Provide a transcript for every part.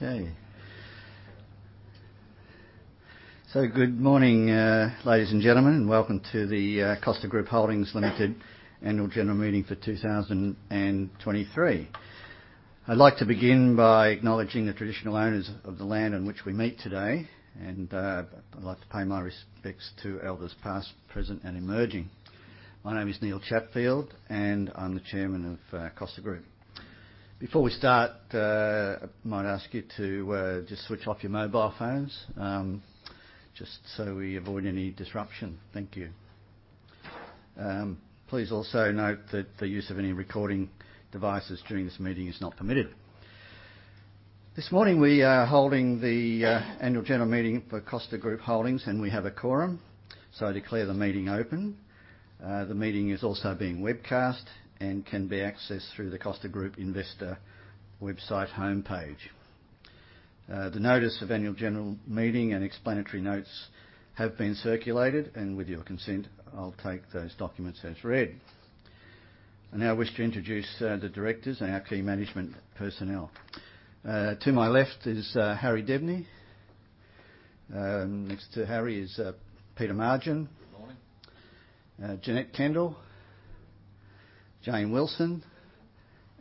Okay. Good morning, ladies and gentlemen, and welcome to the Costa Group Holdings Limited Annual General Meeting for 2023. I'd like to begin by acknowledging the traditional owners of the land in which we meet today, and I'd like to pay my respects to elders past, present, and emerging. My name is Neil Chatfield, and I'm the chairman of Costa Group. Before we start, I might ask you to just switch off your mobile phones, just so we avoid any disruption. Thank you. Please also note that the use of any recording devices during this meeting is not permitted. This morning we are holding the annual general meeting for Costa Group Holdings, and we have a quorum. I declare the meeting open. The meeting is also being webcast and can be accessed through the Costa Group Investor website homepage. The notice of annual general meeting and explanatory notes have been circulated, with your consent, I'll take those documents as read. I now wish to introduce the directors and our key management personnel. To my left is Harry Debney. Next to Harry is Peter Margin. Good morning. Janette Kendall, Jane Wilson,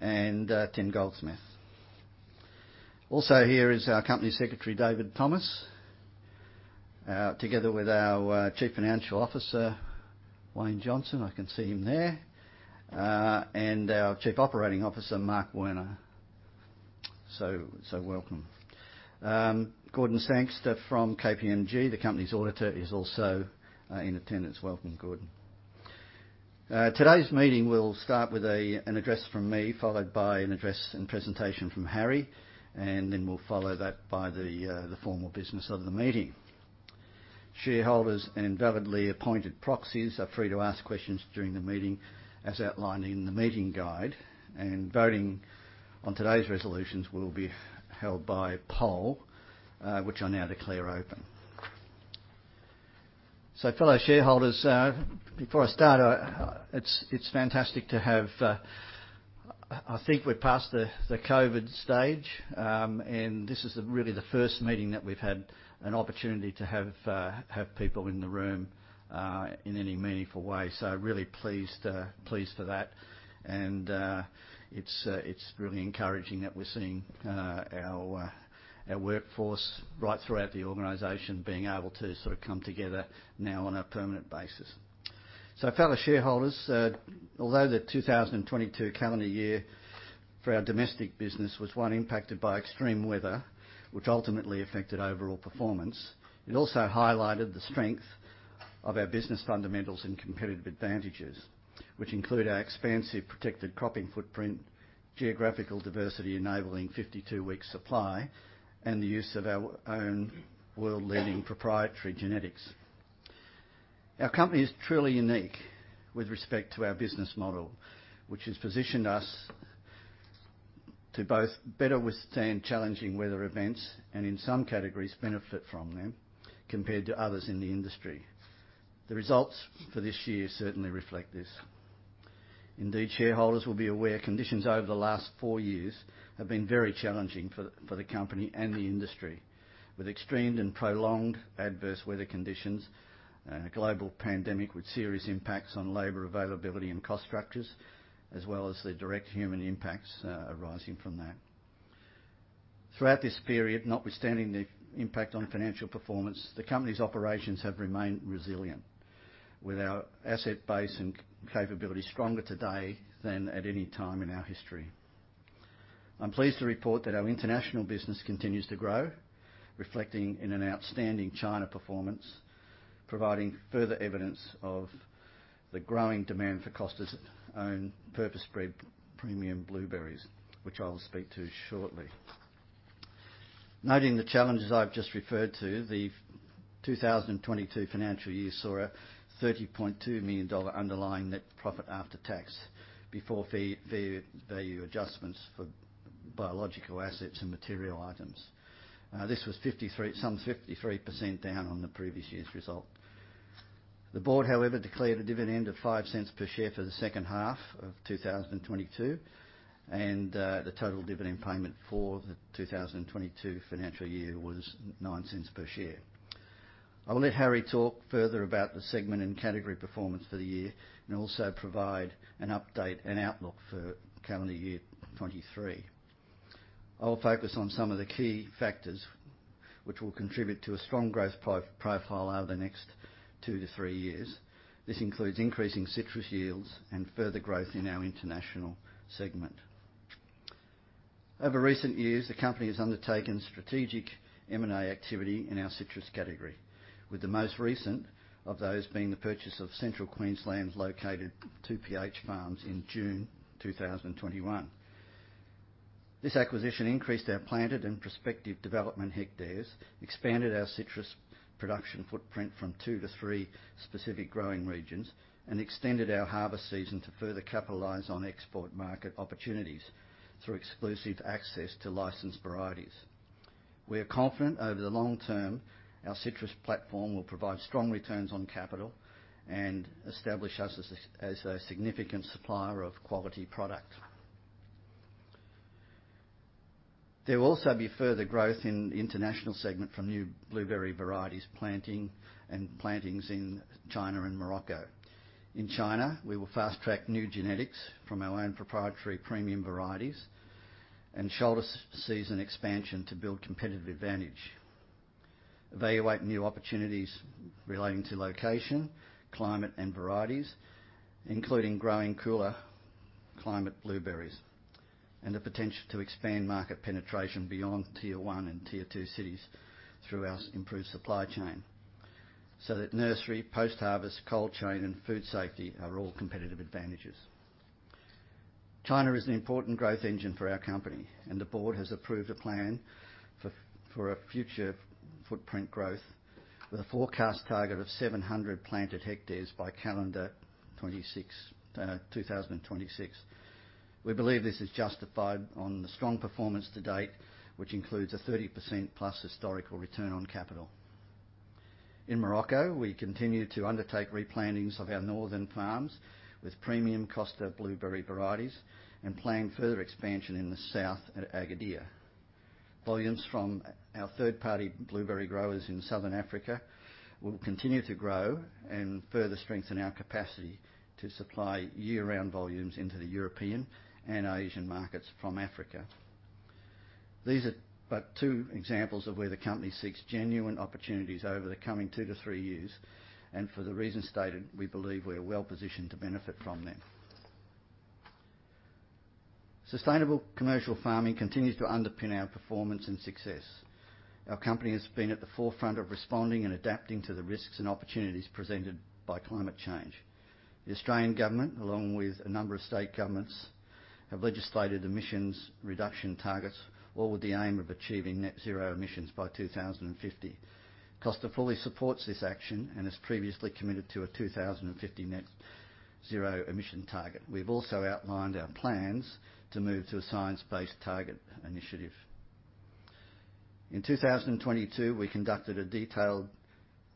and Tim Goldsmith. Also here is our Company Secretary, David Thomas, together with our Chief Financial Officer, Wayne Johnston. I can see him there. Our Chief Operating Officer, Marc Werner. Welcome. Gordon Sangster from KPMG, the company's auditor, is also in attendance. Welcome, Gordon. Today's meeting will start with an address from me, followed by an address and presentation from Harry, we'll follow that by the formal business of the meeting. Shareholders and validly appointed proxies are free to ask questions during the meeting, as outlined in the meeting guide, voting on today's resolutions will be held by poll, which I now declare open. Fellow shareholders, before I start, I, it's fantastic to have, I think we're past the COVID stage, and this is the really the first meeting that we've had an opportunity to have people in the room in any meaningful way. Really pleased for that. It's really encouraging that we're seeing our workforce right throughout the organization being able to sort of come together now on a permanent basis. Fellow shareholders, although the 2022 calendar year for our domestic business was one impacted by extreme weather which ultimately affected overall performance, it also highlighted the strength of our business fundamentals and competitive advantages which include our expansive protected cropping footprint, geographical diversity enabling 52-week supply, and the use of our own world-leading proprietary genetics. Our company is truly unique with respect to our business model, which has positioned us to both better withstand challenging weather events and, in some categories, benefit from them compared to others in the industry. The results for this year certainly reflect this. Shareholders will be aware conditions over the last four years have been very challenging for the company and the industry, with extreme and prolonged adverse weather conditions, a global pandemic with serious impacts on labor availability and cost structures, as well as the direct human impacts arising from that. Throughout this period, notwithstanding the impact on financial performance, the company's operations have remained resilient, with our asset base and capability stronger today than at any time in our history. I'm pleased to report that our international business continues to grow, reflecting in an outstanding China performance, providing further evidence of the growing demand for Costa's own purpose-bred premium blueberries, which I'll speak to shortly. Noting the challenges I've just referred to, the 2022 financial year saw an AUD 30.2 million underlying net profit after tax, before fair value adjustments for biological assets and material items. This was 53% down on the previous year's result. The board, however, declared a dividend of 0.05 per share for the second half of 2022, the total dividend payment for the 2022 financial year was 0.09 per share. I'll let Harry talk further about the segment and category performance for the year, and also provide an update and outlook for calendar year 2023. I'll focus on some of the key factors which will contribute to a strong growth profile over the next two to three years. This includes increasing citrus yields and further growth in our international segment. Over recent years, the company has undertaken strategic M&A activity in our citrus category, with the most recent of those being the purchase of Central Queensland's located 2PH Farms in June 2021. This acquisition increased our planted and prospective development hectares, expanded our citrus production footprint from two to three specific growing regions, and extended our harvest season to further capitalize on export market opportunities through exclusive access to licensed varieties. We are confident over the long term, our citrus platform will provide strong returns on capital and establish us as a significant supplier of quality product. There will also be further growth in the international segment from new blueberry varieties, planting and plantings in China and Morocco. In China, we will fast-track new genetics from our own proprietary premium varieties and shoulder season expansion to build competitive advantage. Evaluate new opportunities relating to location, climate, and varieties, including growing cooler climate blueberries and the potential to expand market penetration beyond tier one and tier two cities through our improved supply chain, so that nursery, post-harvest, cold chain, and food safety are all competitive advantages. China is an important growth engine for our company, and the board has approved a plan for a future footprint growth with a forecast target of 700 planted hectares by calendar 26, 2026. We believe this is justified on the strong performance to date, which includes a 30% plus historical return on capital. In Morocco, we continue to undertake replantings of our northern farms with premium Costa blueberry varieties and plan further expansion in the south at Agadir. Volumes from our third-party blueberry growers in Southern Africa will continue to grow and further strengthen our capacity to supply year-round volumes into the European and Asian markets from Africa. These are but two examples of where the company seeks genuine opportunities over the coming two to three years, and for the reasons stated, we believe we are well-positioned to benefit from them. Sustainable commercial farming continues to underpin our performance and success. Our company has been at the forefront of responding and adapting to the risks and opportunities presented by climate change. The Australian government, along with a number of state governments, have legislated emissions reduction targets, all with the aim of achieving net zero emissions by 2050. Costa fully supports this action and has previously committed to a 2050 net zero emission target. We've also outlined our plans to move to a Science Based Targets initiative. In 2022, we conducted a detailed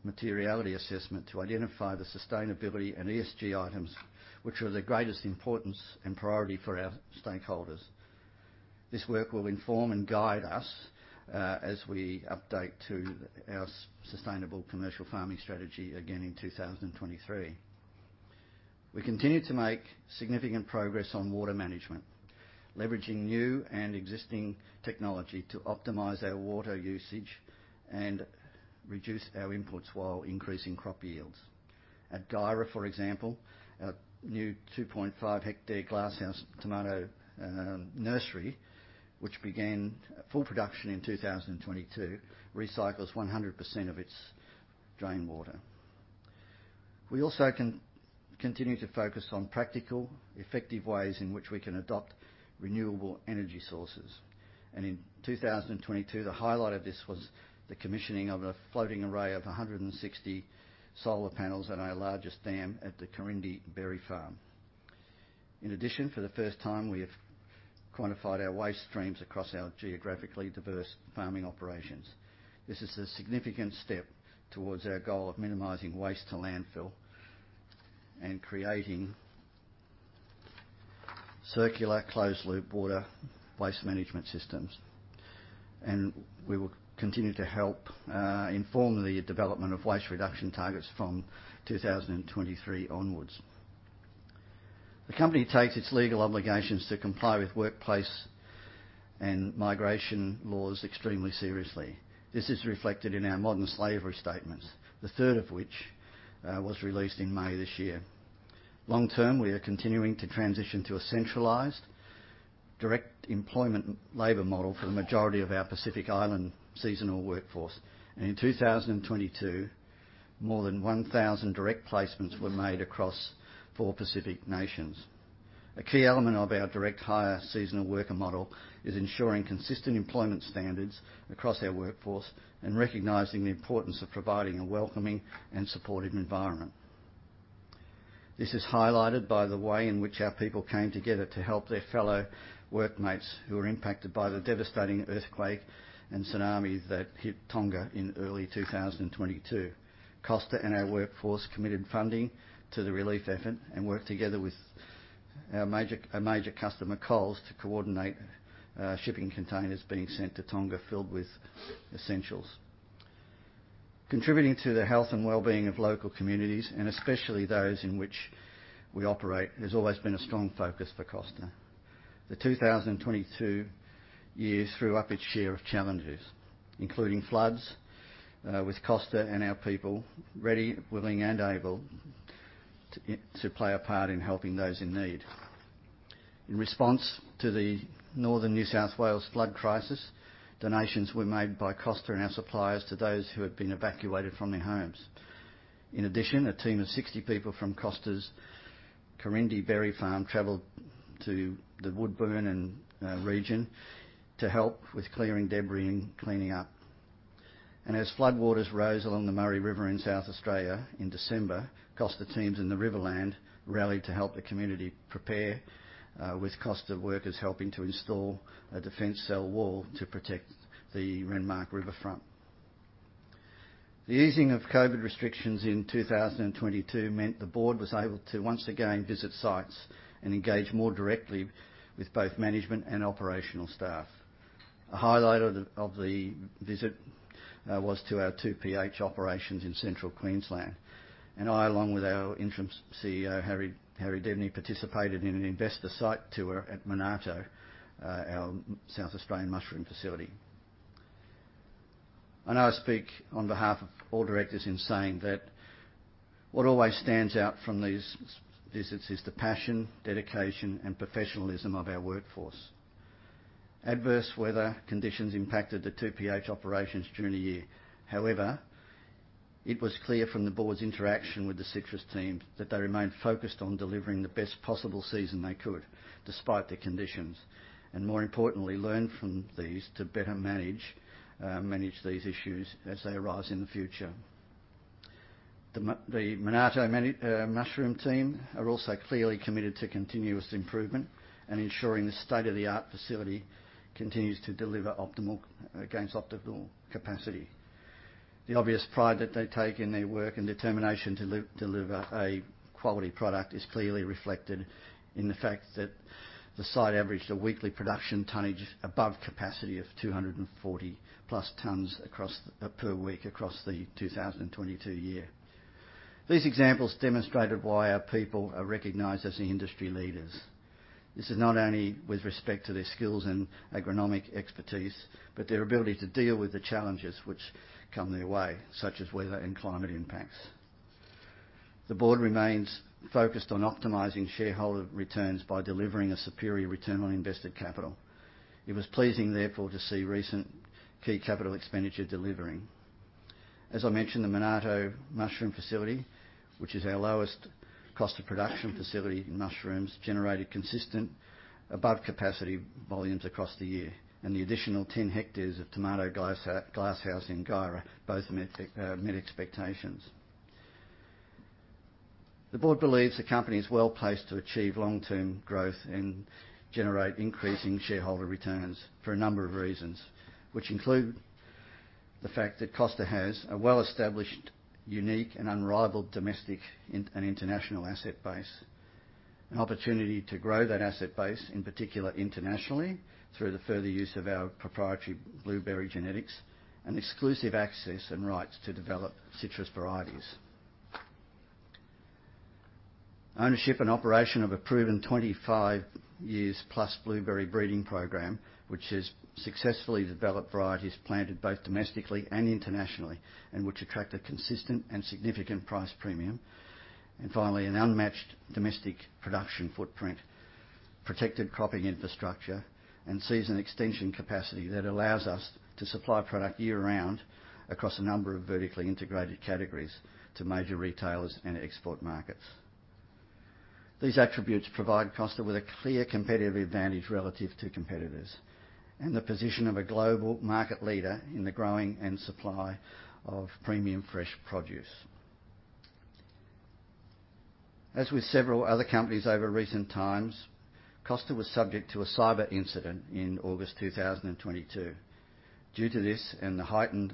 materiality assessment to identify the sustainability and ESG items which were of the greatest importance and priority for our stakeholders. This work will inform and guide us as we update to our sustainable commercial farming strategy again in 2023. We continue to make significant progress on water management, leveraging new and existing technology to optimize our water usage and reduce our inputs while increasing crop yields. At Guyra, for example, our new 2.5-hectare greenhouse tomato nursery, which began full production in 2022, recycles 100% of its drain water. We also continue to focus on practical, effective ways in which we can adopt renewable energy sources. In 2022, the highlight of this was the commissioning of a floating array of 160 solar panels at our largest dam at the Corindi Berry Farm. In addition, for the first time, we have quantified our waste streams across our geographically diverse farming operations. This is a significant step towards our goal of minimizing waste to landfill and creating circular closed loop water waste management systems. We will continue to help inform the development of waste reduction targets from 2023 onwards. The company takes its legal obligations to comply with workplace and migration laws extremely seriously. This is reflected in our modern slavery statements, the third of which was released in May this year. Long term, we are continuing to transition to a centralized direct employment labor model for the majority of our Pacific Island seasonal workforce. In 2022, more than 1,000 direct placements were made across four Pacific nations. A key element of our direct hire seasonal worker model is ensuring consistent employment standards across our workforce and recognizing the importance of providing a welcoming and supportive environment. This is highlighted by the way in which our people came together to help their fellow workmates who were impacted by the devastating earthquake and tsunami that hit Tonga in early 2022. Costa and our workforce committed funding to the relief effort and worked together with our major customer, Coles, to coordinate shipping containers being sent to Tonga filled with essentials. Contributing to the health and well-being of local communities, and especially those in which we operate, has always been a strong focus for Costa. The 2022 year threw up its share of challenges, including floods, with Costa and our people ready, willing, and able to play a part in helping those in need. In response to the northern New South Wales flood crisis, donations were made by Costa and our suppliers to those who had been evacuated from their homes. In addition, a team of 60 people from Costa's Corindi Berry Farm traveled to the Woodburn region to help with clearing debris and cleaning up. As floodwaters rose along the Murray River in South Australia in December, Costa teams in the Riverland rallied to help the community prepare with Costa workers helping to install a defense cell wall to protect the Renmark riverfront. The easing of COVID restrictions in 2022 meant the board was able to once again visit sites and engage more directly with both management and operational staff. A highlight of the visit was to our 2PH operations in Central Queensland. I, along with our interim CEO, Harry Debney, participated in an investor site tour at Monarto, our South Australian mushroom facility. I know I speak on behalf of all directors in saying that what always stands out from these visits is the passion, dedication, and professionalism of our workforce. Adverse weather conditions impacted the 2PH operations during the year. However, it was clear from the board's interaction with the citrus teams that they remained focused on delivering the best possible season they could, despite the conditions, and more importantly, learn from these to better manage these issues as they arise in the future. The Monarto mushroom team are also clearly committed to continuous improvement and ensuring the state-of-the-art facility continues to gains optimal capacity. The obvious pride that they take in their work and determination to deliver a quality product is clearly reflected in the fact that the site averaged a weekly production tonnage above capacity of 240+ tons per week across the 2022 year. These examples demonstrated why our people are recognized as the industry leaders. This is not only with respect to their skills and agronomic expertise, but their ability to deal with the challenges which come their way, such as weather and climate impacts. The board remains focused on optimizing shareholder returns by delivering a superior return on invested capital. It was pleasing, therefore, to see recent key capital expenditure delivering. As I mentioned, the Monarto mushroom facility, which is our lowest cost of production facility in mushrooms, generated consistent above-capacity volumes across the year, and the additional 10 hectares of tomato glasshouse in Guyra both met expectations. The board believes the company is well-placed to achieve long-term growth and generate increasing shareholder returns for a number of reasons, which include the fact that Costa has a well-established, unique and unrivaled domestic and international asset base. An opportunity to grow that asset base, in particular internationally, through the further use of our proprietary blueberry genetics and exclusive access and rights to develop citrus varieties. Ownership and operation of a proven 25 years plus blueberry breeding program, which has successfully developed varieties planted both domestically and internationally, and which attract a consistent and significant price premium. Finally, an unmatched domestic production footprint, protected cropping infrastructure, and season extension capacity that allows us to supply product year-round across a number of vertically integrated categories to major retailers and export markets. These attributes provide Costa with a clear competitive advantage relative to competitors and the position of a global market leader in the growing and supply of premium fresh produce. As with several other companies over recent times, Costa was subject to a cyber incident in August 2022. Due to this and the heightened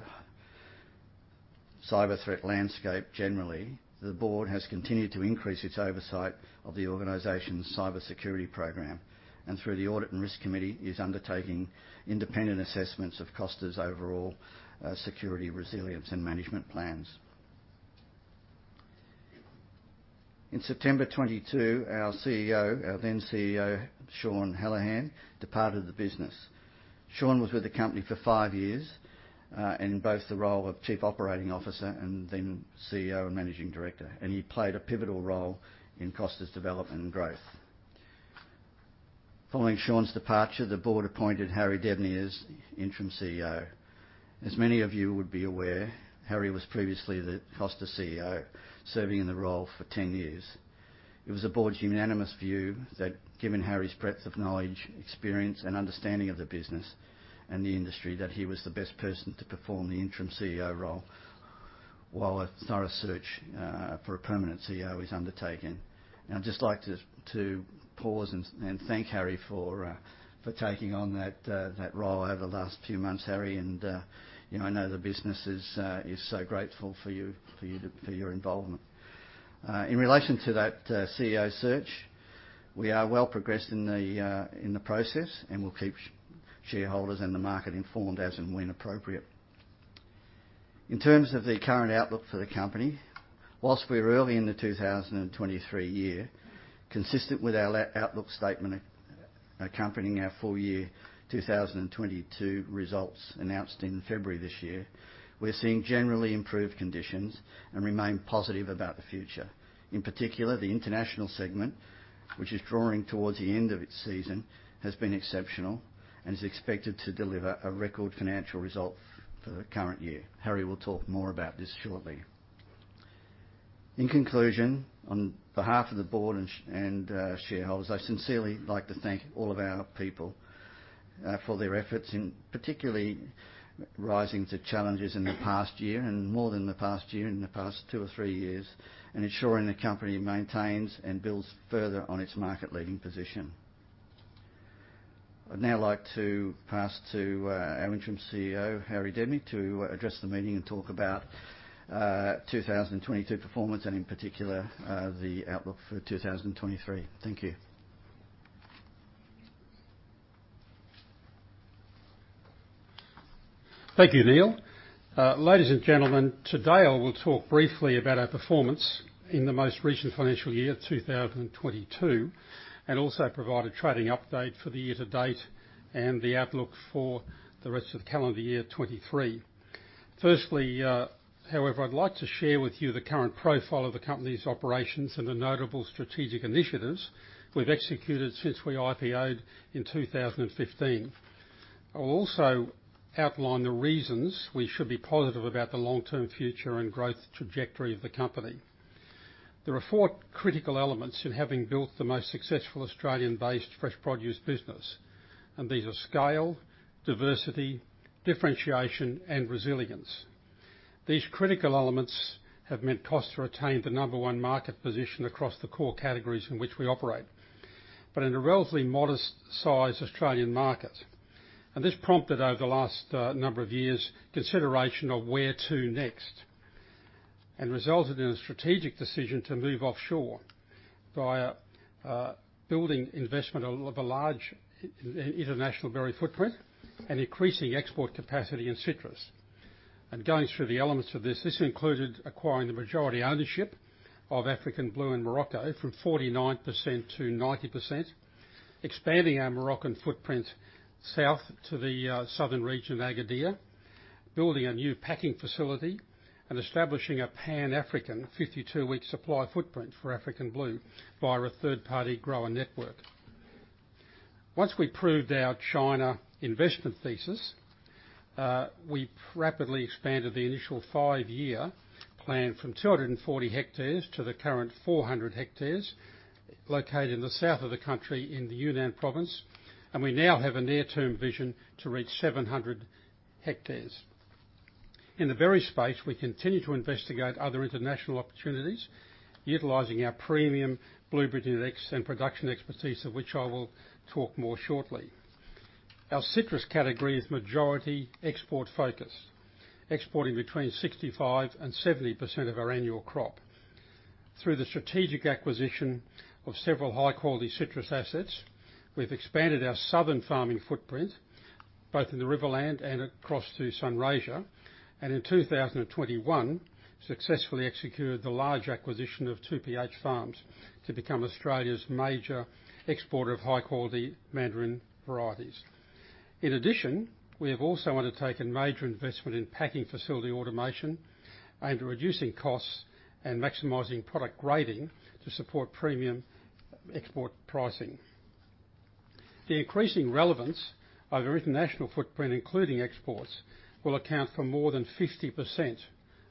cyber threat landscape generally, the board has continued to increase its oversight of the organization's cybersecurity program, and through the Audit and Risk Committee, is undertaking independent assessments of Costa's overall security, resilience and management plans. In September 2022, our CEO, our then CEO, Sean Hallahan, departed the business. Sean was with the company for five years, in both the role of chief operating officer and then CEO and managing director, and he played a pivotal role in Costa's development and growth. Following Sean's departure, the board appointed Harry Debney as interim CEO. As many of you would be aware, Harry was previously the Costa CEO, serving in the role for 10 years. It was the board's unanimous view that given Harry's breadth of knowledge, experience, and understanding of the business and the industry, that he was the best person to perform the interim CEO role while a thorough search for a permanent CEO is undertaken. I'd just like to pause and thank Harry for taking on that role over the last few months, Harry. You know, I know the business is so grateful for you, for your involvement. In relation to that CEO search, we are well progressed in the process, and we'll keep shareholders and the market informed as and when appropriate. In terms of the current outlook for the company, whilst we're early in the 2023 year, consistent with our outlook statement accompanying our full year 2022 results announced in February this year, we're seeing generally improved conditions and remain positive about the future. In particular, the international segment, which is drawing towards the end of its season, has been exceptional and is expected to deliver a record financial result for the current year. Harry will talk more about this shortly. In conclusion, on behalf of the board and shareholders, I'd sincerely like to thank all of our people, for their efforts in particularly rising to challenges in the past year and more than the past year, in the past two or three years, and ensuring the company maintains and builds further on its market-leading position. I'd now like to pass to our interim CEO, Harry Debney, to address the meeting and talk about 2022 performance and in particular, the outlook for 2023. Thank you. Thank you, Neil. Ladies and gentlemen, today I will talk briefly about our performance in the most recent financial year, 2022, and also provide a trading update for the year to date and the outlook for the rest of calendar year 2023. Firstly, however, I'd like to share with you the current profile of the company's operations and the notable strategic initiatives we've executed since we IPO'd in 2015. I'll also outline the reasons we should be positive about the long-term future and growth trajectory of the company. There are four critical elements in having built the most successful Australian-based fresh produce business, and these are scale, diversity, differentiation, and resilience. These critical elements have meant Costa retain the number one market position across the core categories in which we operate, but in a relatively modest size Australian market. This prompted over the last number of years, consideration of where to next, and resulted in a strategic decision to move offshore via building investment of a large in-international berry footprint and increasing export capacity in citrus. Going through the elements of this included acquiring the majority ownership of African Blue in Morocco from 49%-90%, expanding our Moroccan footprint south to the southern region of Agadir, building a new packing facility, and establishing a Pan-African 52-week supply footprint for African Blue via a third-party grower network. Once we proved our China investment thesis, we rapidly expanded the initial five-year plan from 240 hectares to the current 400 hectares located in the south of the country in the Yunnan province, and we now have a near-term vision to reach 700 hectares. In the berry space, we continue to investigate other international opportunities utilizing our premium blueberry genetics and production expertise, of which I will talk more shortly. Our citrus category is majority export-focused, exporting between 65% and 70% of our annual crop. Through the strategic acquisition of several high-quality citrus assets, we've expanded our southern farming footprint, both in the Riverland and across to Sunraysia, and in 2021, successfully executed the large acquisition of 2PH Farms to become Australia's major exporter of high-quality mandarin varieties. In addition, we have also undertaken major investment in packing facility automation aimed at reducing costs and maximizing product grading to support premium export pricing. The increasing relevance of our international footprint, including exports, will account for more than 50%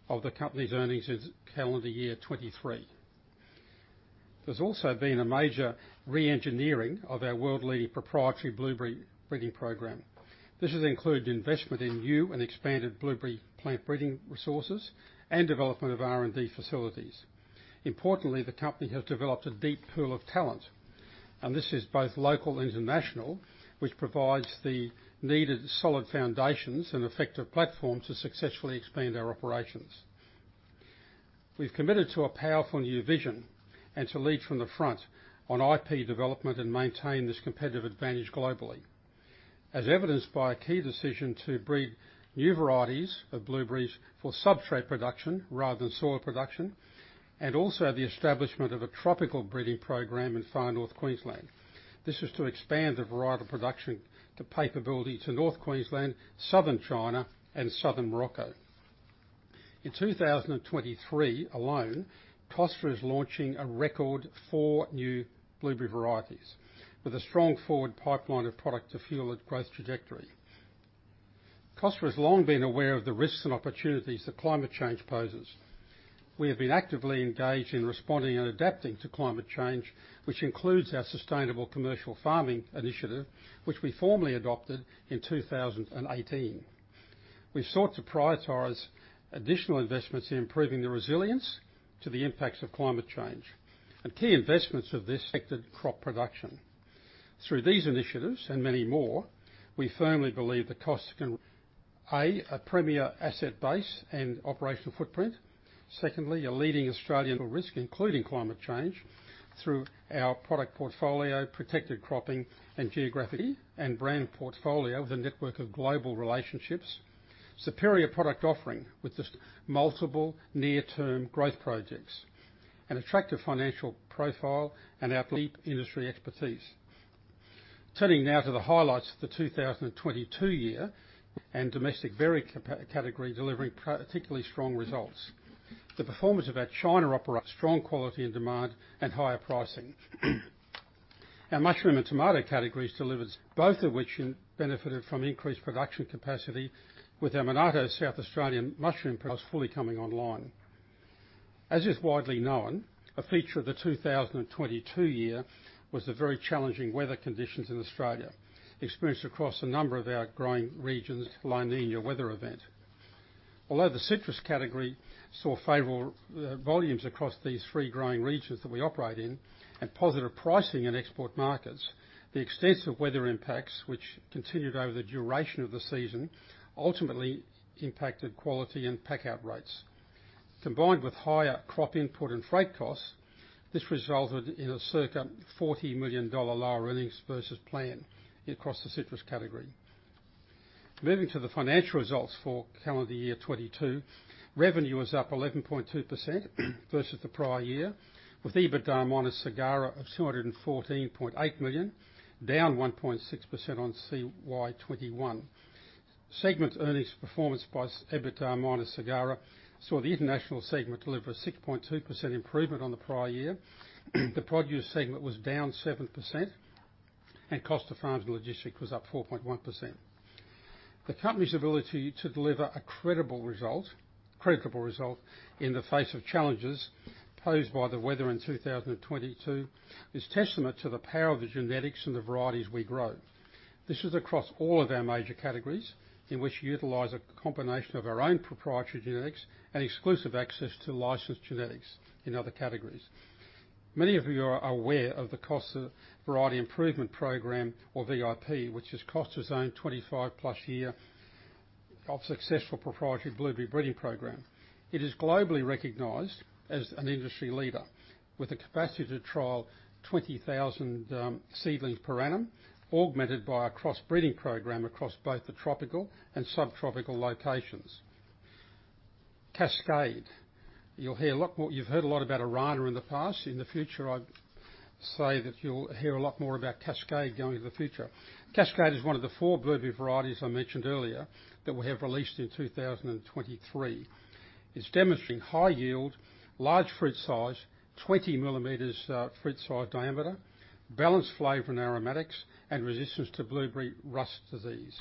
of the company's earnings in calendar year 2023. There's also been a major re-engineering of our world-leading proprietary blueberry breeding program. This has included investment in new and expanded blueberry plant breeding resources and development of R&D facilities. Importantly, the company has developed a deep pool of talent, this is both local and international, which provides the needed solid foundations and effective platform to successfully expand our operations. We've committed to a powerful new vision to lead from the front on IP development and maintain this competitive advantage globally, as evidenced by a key decision to breed new varieties of blueberries for substrate production rather than soil production, also the establishment of a tropical breeding program in Far North Queensland. This is to expand the varietal production capability to North Queensland, southern China, and southern Morocco. In 2023 alone, Costa is launching a record four new blueberry varieties with a strong forward pipeline of product to fuel its growth trajectory. Costa has long been aware of the risks and opportunities that climate change poses. We have been actively engaged in responding and adapting to climate change, which includes our sustainable commercial farming initiative, which we formally adopted in 2018. We've sought to prioritize additional investments in improving the resilience to the impacts of climate change, and key investments of this affected crop production. Through these initiatives and many more, we firmly believe that Costa can... a premier asset base and operational footprint. Secondly, a leading Australian... risk, including climate change, through our product portfolio, protected cropping, and geography and brand portfolio with a network of global relationships. Superior product offering with multiple near-term growth projects. An attractive financial profile and our deep industry expertise. Turning now to the highlights of the 2022 year and domestic berry category delivering particularly strong results. The performance of our China opera.... Strong quality and demand and higher pricing. Our mushroom and tomato categories delivers, both of which benefited from increased production capacity with our Monarto South Australian mushroom products fully coming online. As is widely known, a feature of the 2022 year was the very challenging weather conditions in Australia, experienced across a number of our growing regions La Niña weather event. Although the citrus category saw favorable volumes across these three growing regions that we operate in and positive pricing in export markets, the extensive weather impacts which continued over the duration of the season ultimately impacted quality and pack out rates. Combined with higher crop input and freight costs, this resulted in a circa $40 million lower earnings versus plan across the citrus category. Moving to the financial results for calendar year 2022. Revenue was up 11.2% versus the prior year, with EBITDA-SGARA of 214.8 million, down 1.6% on CY 2021. Segment earnings performance by EBITDA-SGARA saw the international segment deliver a 6.2% improvement on the prior year. The produce segment was down 7%, and Costa Farms and Logistics was up 4.1%. The company's ability to deliver a credible result in the face of challenges posed by the weather in 2022 is testament to the power of the genetics and the varieties we grow. This is across all of our major categories in which utilize a combination of our own proprietary genetics and exclusive access to licensed genetics in other categories. Many of you are aware of the Costa Variety Improvement Program or VIP, which is Costa's own 25+ year of successful proprietary blueberry breeding program. It is globally recognized as an industry leader with the capacity to trial 20,000 seedlings per annum, augmented by a cross-breeding program across both the tropical and subtropical locations. Cascade. You've heard a lot about Arana in the past. In the future, I'd say that you'll hear a lot more about Cascade going to the future. Cascade is one of the four blueberry varieties I mentioned earlier that we have released in 2023. It's demonstrating high yield, large fruit size, 20 mm fruit size diameter, balanced flavor and aromatics, and resistance to blueberry rust disease.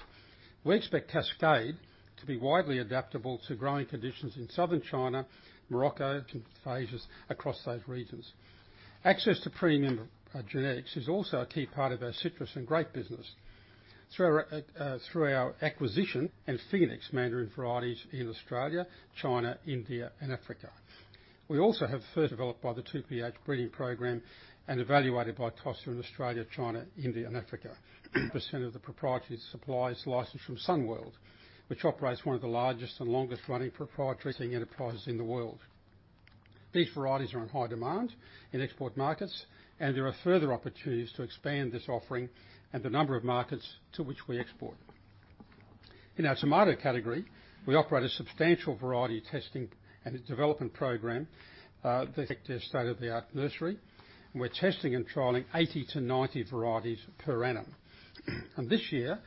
We expect Cascade to be widely adaptable to growing conditions in Southern China, Morocco, Tunisia across those regions. Access to premium genetics is also a key part of our citrus and grape business. Through our acquisition and Phoenix mandarin varieties in Australia, China, India and Africa. We also have further developed by the 2PH breeding program and evaluated by Costa in Australia, China, India and Africa. Percent of the proprietary supply is licensed from Sun World, which operates one of the largest and longest running proprietary enterprises in the world. These varieties are in high demand in export markets. There are further opportunities to expand this offering and the number of markets to which we export. In our tomato category, we operate a substantial variety testing and development program that take their state-of-the-art nursery, and we're testing and trialing 80-90 varieties per annum. This year,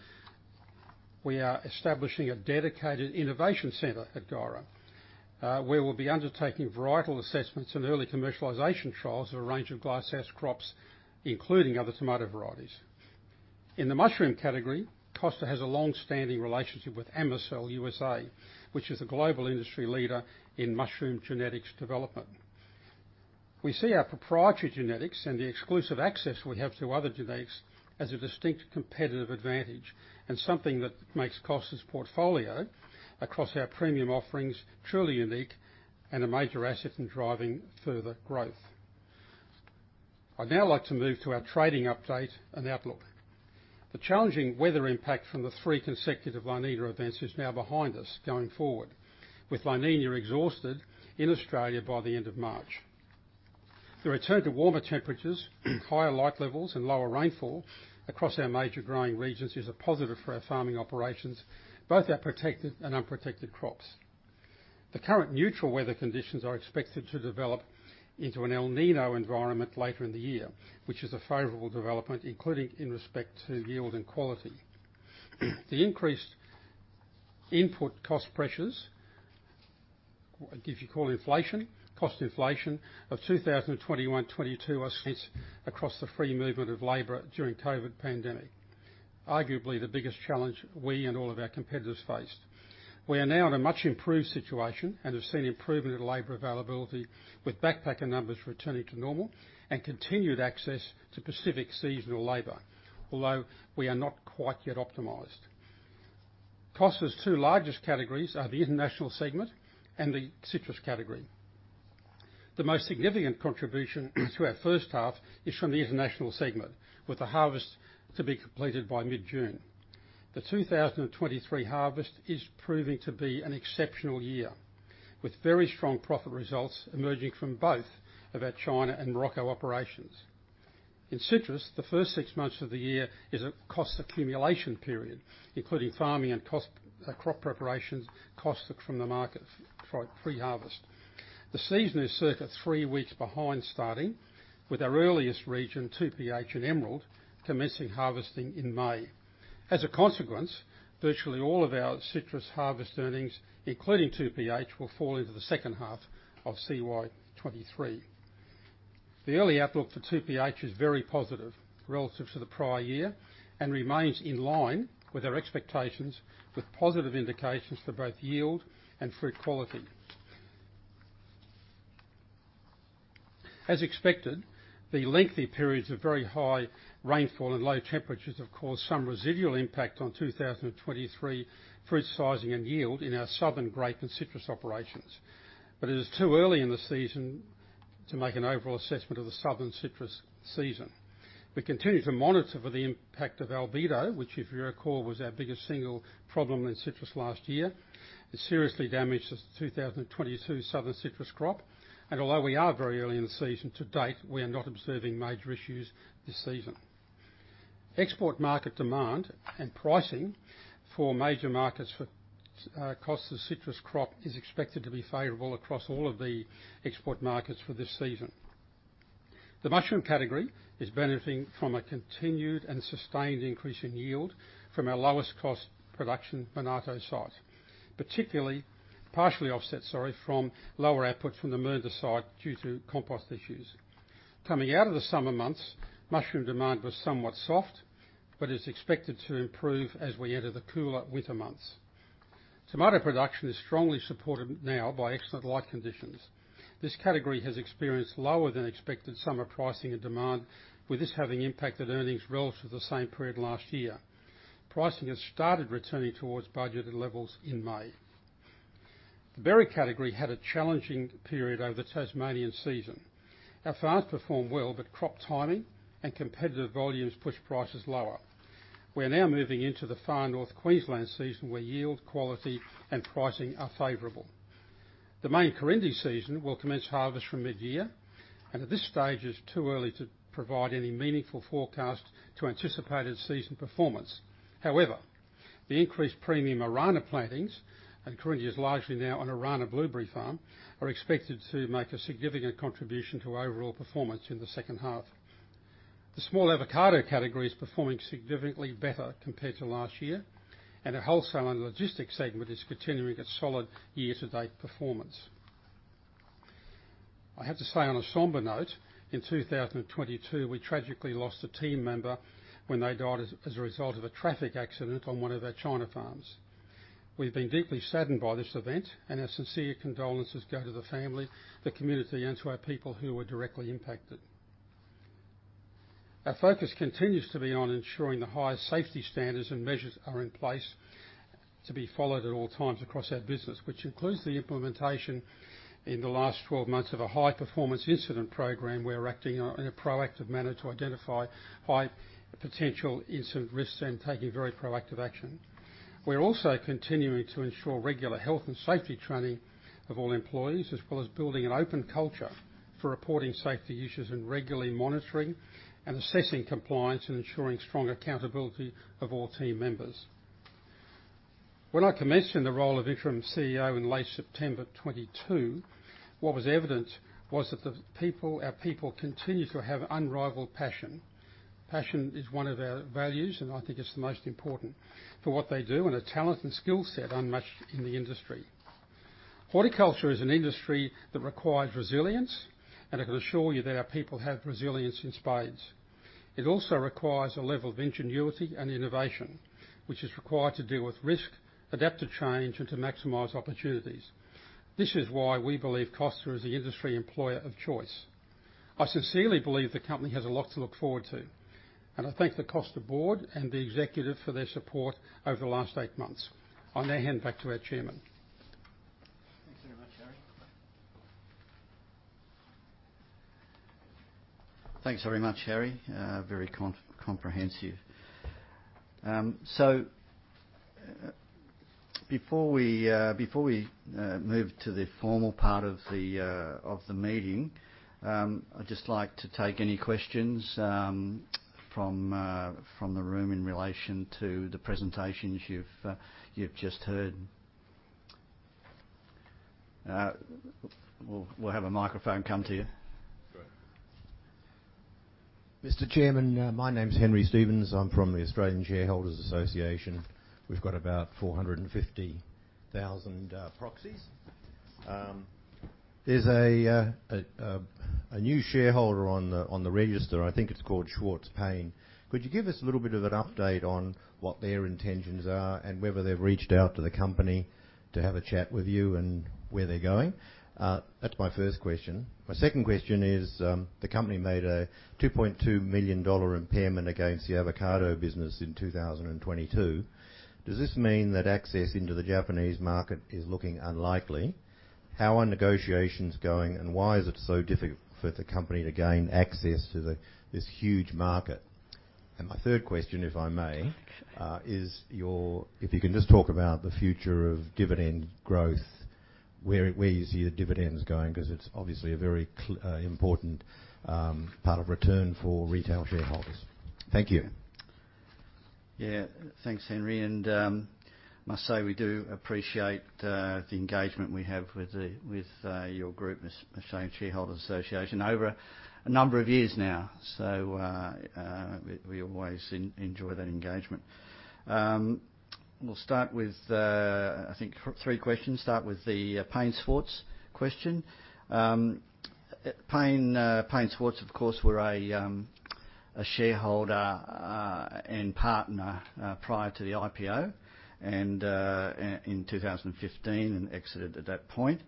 we are establishing a dedicated innovation center at Guyra, where we'll be undertaking varietal assessments and early commercialization trials of a range of glasshouse crops, including other tomato varieties. In the mushroom category, Costa has a long-standing relationship with Amycel USA, which is a global industry leader in mushroom genetics development. We see our proprietary genetics and the exclusive access we have to other genetics as a distinct competitive advantage and something that makes Costa's portfolio across our premium offerings truly unique and a major asset in driving further growth. I'd now like to move to our trading update and outlook. The challenging weather impact from the three consecutive La Niña events is now behind us going forward, with La Niña exhausted in Australia by the end of March. The return to warmer temperatures, higher light levels and lower rainfall across our major growing regions is a positive for our farming operations, both our protected and unprotected crops. The current neutral weather conditions are expected to develop into an El Niño environment later in the year, which is a favorable development, including in respect to yield and quality. The increased input cost pressures, if you call inflation, cost inflation of 2021, 2022 are since across the free movement of labor during COVID pandemic, arguably the biggest challenge we and all of our competitors faced. We are now in a much improved situation and have seen improvement in labor availability, with backpacker numbers returning to normal and continued access to Pacific seasonal labor, although we are not quite yet optimized. Costa's two largest categories are the international segment and the citrus category. The most significant contribution to our first half is from the international segment, with the harvest to be completed by mid-June. The 2023 harvest is proving to be an exceptional year, with very strong profit results emerging from both of our China and Morocco operations. In citrus, the first six months of the year is a cost accumulation period, including farming and cost, crop preparations, costs from the market for pre-harvest. The season is circa three weeks behind starting, with our earliest region, 2PH in Emerald, commencing harvesting in May. As a consequence, virtually all of our citrus harvest earnings, including 2PH, will fall into the second half of CY 2023. The early outlook for 2PH is very positive relative to the prior year, and remains in line with our expectations, with positive indications for both yield and fruit quality. As expected, the lengthy periods of very high rainfall and low temperatures have caused some residual impact on 2023 fruit sizing and yield in our southern grape and citrus operations. It is too early in the season to make an overall assessment of the southern citrus season. We continue to monitor for the impact of albedo, which if you recall, was our biggest single problem in citrus last year. It seriously damaged the 2022 southern citrus crop. Although we are very early in the season, to date, we are not observing major issues this season. Export market demand and pricing for major markets for Costa's citrus crop is expected to be favorable across all of the export markets for this season. The mushroom category is benefiting from a continued and sustained increase in yield from our lowest cost production Benato site, partially offset, sorry, from lower outputs from the Mernda site due to compost issues. Coming out of the summer months, mushroom demand was somewhat soft, but is expected to improve as we enter the cooler winter months. Tomato production is strongly supported now by excellent light conditions. This category has experienced lower than expected summer pricing and demand, with this having impacted earnings relative to the same period last year. Pricing has started returning towards budgeted levels in May. The berry category had a challenging period over the Tasmanian season. Our farms performed well, but crop timing and competitive volumes pushed prices lower. We are now moving into the Far North Queensland season, where yield, quality, and pricing are favorable. The main Corindi season will commence harvest from mid-year. At this stage it is too early to provide any meaningful forecast to anticipated season performance. However, the increased premium Arana plantings, and Corindi is largely now an Arana blueberry farm, are expected to make a significant contribution to overall performance in the second half. The small avocado category is performing significantly better compared to last year, and our Wholesale and Logistics segment is continuing its solid year-to-date performance. I have to say on a somber note, in 2022, we tragically lost a team member when they died as a result of a traffic accident on one of our China farms. We've been deeply saddened by this event, and our sincere condolences go to the family, the community, and to our people who were directly impacted. Our focus continues to be on ensuring the highest safety standards and measures are in place to be followed at all times across our business, which includes the implementation in the last 12 months of a high-performance incident program. We're acting on, in a proactive manner to identify high potential incident risks and taking very proactive action. We're also continuing to ensure regular health and safety training of all employees, as well as building an open culture for reporting safety issues and regularly monitoring and assessing compliance, and ensuring strong accountability of all team members. When I commissioned the role of interim CEO in late September 2022, what was evident was that the people, our people continue to have unrivaled passion. Passion is one of our values, and I think it's the most important for what they do, and a talent and skill set unmatched in the industry. Horticulture is an industry that requires resilience, and I can assure you that our people have resilience in spades. It also requires a level of ingenuity and innovation, which is required to deal with risk, adapt to change, and to maximize opportunities. This is why we believe Costa is the industry employer of choice. I sincerely believe the company has a lot to look forward to, and I thank the Costa board and the executive for their support over the last eight months. I now hand back to our chairman. Thanks very much, Harry. Very comprehensive. Before we move to the formal part of the meeting, I'd just like to take any questions from the room in relation to the presentations you've just heard. We'll have a microphone come to you. Great. Mr. Chairman, my name's Henry Stephens. I'm from the Australian Shareholders' Association. We've got about 450,000 proxies. There's a new shareholder on the register. I think it's called Paine Schwartz Partners. Could you give us a little bit of an update on what their intentions are, and whether they've reached out to the company to have a chat with you and where they're going? That's my first question. My second question is, the company made an 2.2 million dollar impairment against the avocado business in 2022. Does this mean that access into the Japanese market is looking unlikely? How are negotiations going, and why is it so difficult for the company to gain access to this huge market? My third question, if I may, if you can just talk about the future of dividend growth. Where you see the dividends going, 'cause it's obviously a very important part of return for retail shareholders. Thank you. Thanks, Henry. Must say we do appreciate the engagement we have with your group, Australian Shareholders' Association, over a number of years now. We always enjoy that engagement. We'll start with, I think, three questions. Start with the Paine Schwartz Partners question. Paine Schwartz Partners, of course, were a shareholder and partner prior to the IPO, and in 2015 and exited at that point.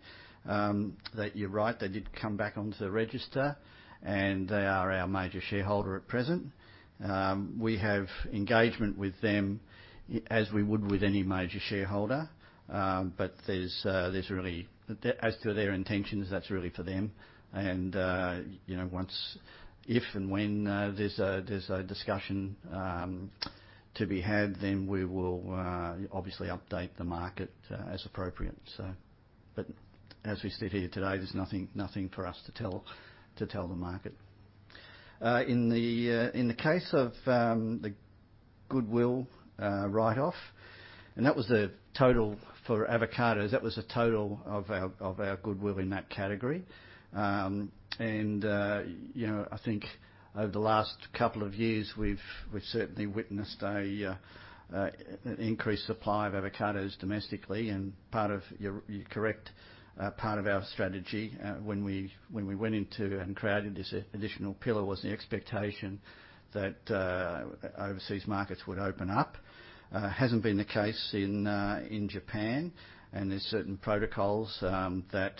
That you're right, they did come back onto the register, and they are our major shareholder at present. We have engagement with them as we would with any major shareholder. But there's really... As to their intentions, that's really for them and, you know, once... If and when there's a discussion to be had, we will obviously update the market as appropriate, so. As we sit here today, there's nothing for us to tell the market. In the case of the goodwill write-off, that was the total for avocados. That was the total of our goodwill in that category. You know, I think over the last couple of years, we've certainly witnessed an increased supply of avocados domestically. You're correct, part of our strategy when we went into and created this additional pillar was the expectation that overseas markets would open up. hasn't been the case in Japan. There's certain protocols that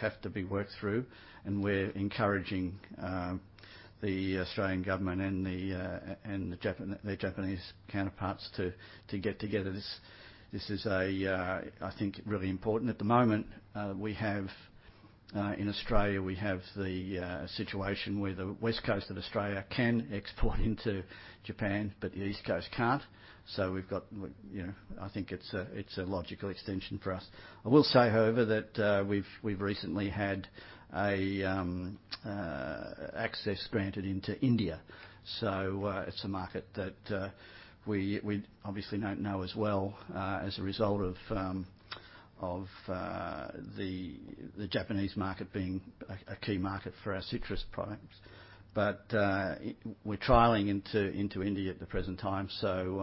have to be worked through, and we're encouraging the Australian government and their Japanese counterparts to get together. This is a, I think, really important. At the moment, we have in Australia, we have the situation where the west coast of Australia can export into Japan, but the east coast can't. We've got, you know, I think it's a logical extension for us. I will say, however, that we've recently had a access granted into India. It's a market that we obviously don't know as well as a result of the Japanese market being a key market for our citrus products. We're trialing into India at the present time. You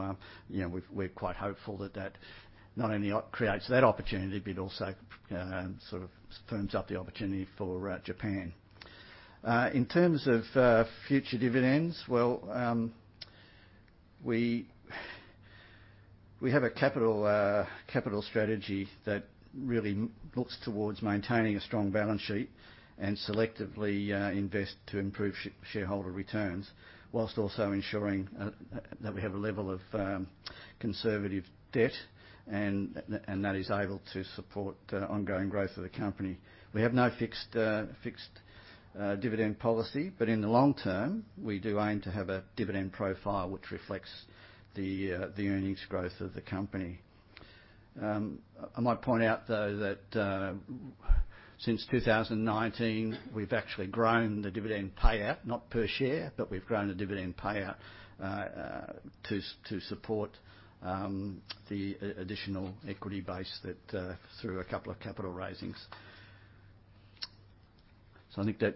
know, we're quite hopeful that that not only creates that opportunity, but it also sort of firms up the opportunity for Japan. In terms of future dividends, well, we have a capital strategy that really looks towards maintaining a strong balance sheet and selectively invest to improve shareholder returns, whilst also ensuring that we have a level of conservative debt and that is able to support ongoing growth of the company. We have no fixed dividend policy, but in the long term, we do aim to have a dividend profile which reflects the earnings growth of the company. I might point out, though, that since 2019, we've actually grown the dividend payout, not per share, but we've grown the dividend payout to support the additional equity base that through a couple of capital raisings. I think that.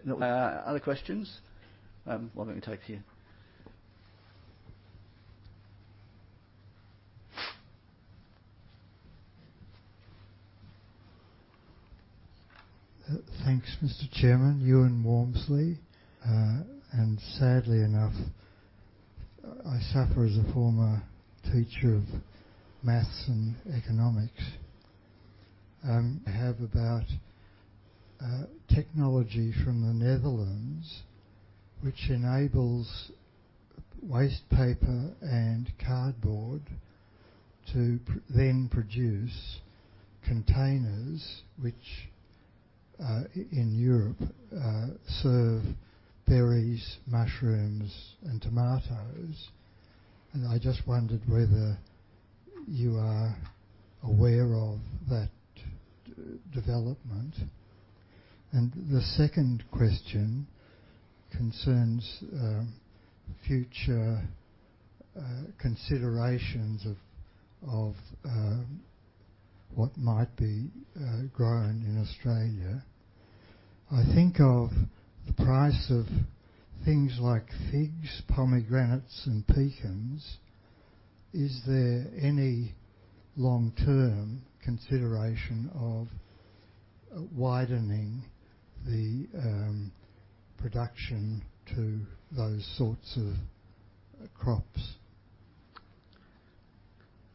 Other questions? Well, let me take you. Thanks, Mr. Chairman. Ewan Warmsley. Sadly enough, I suffer as a former teacher of math and economics. I have about technology from the Netherlands, which enables waste paper and cardboard to then produce containers which in Europe serve berries, mushrooms and tomatoes. I just wondered whether you are aware of that development. The second question concerns future considerations of what might be grown in Australia. I think of the price of things like figs, pomegranates, and pecans. Is there any long-term consideration of widening the production to those sorts of crops?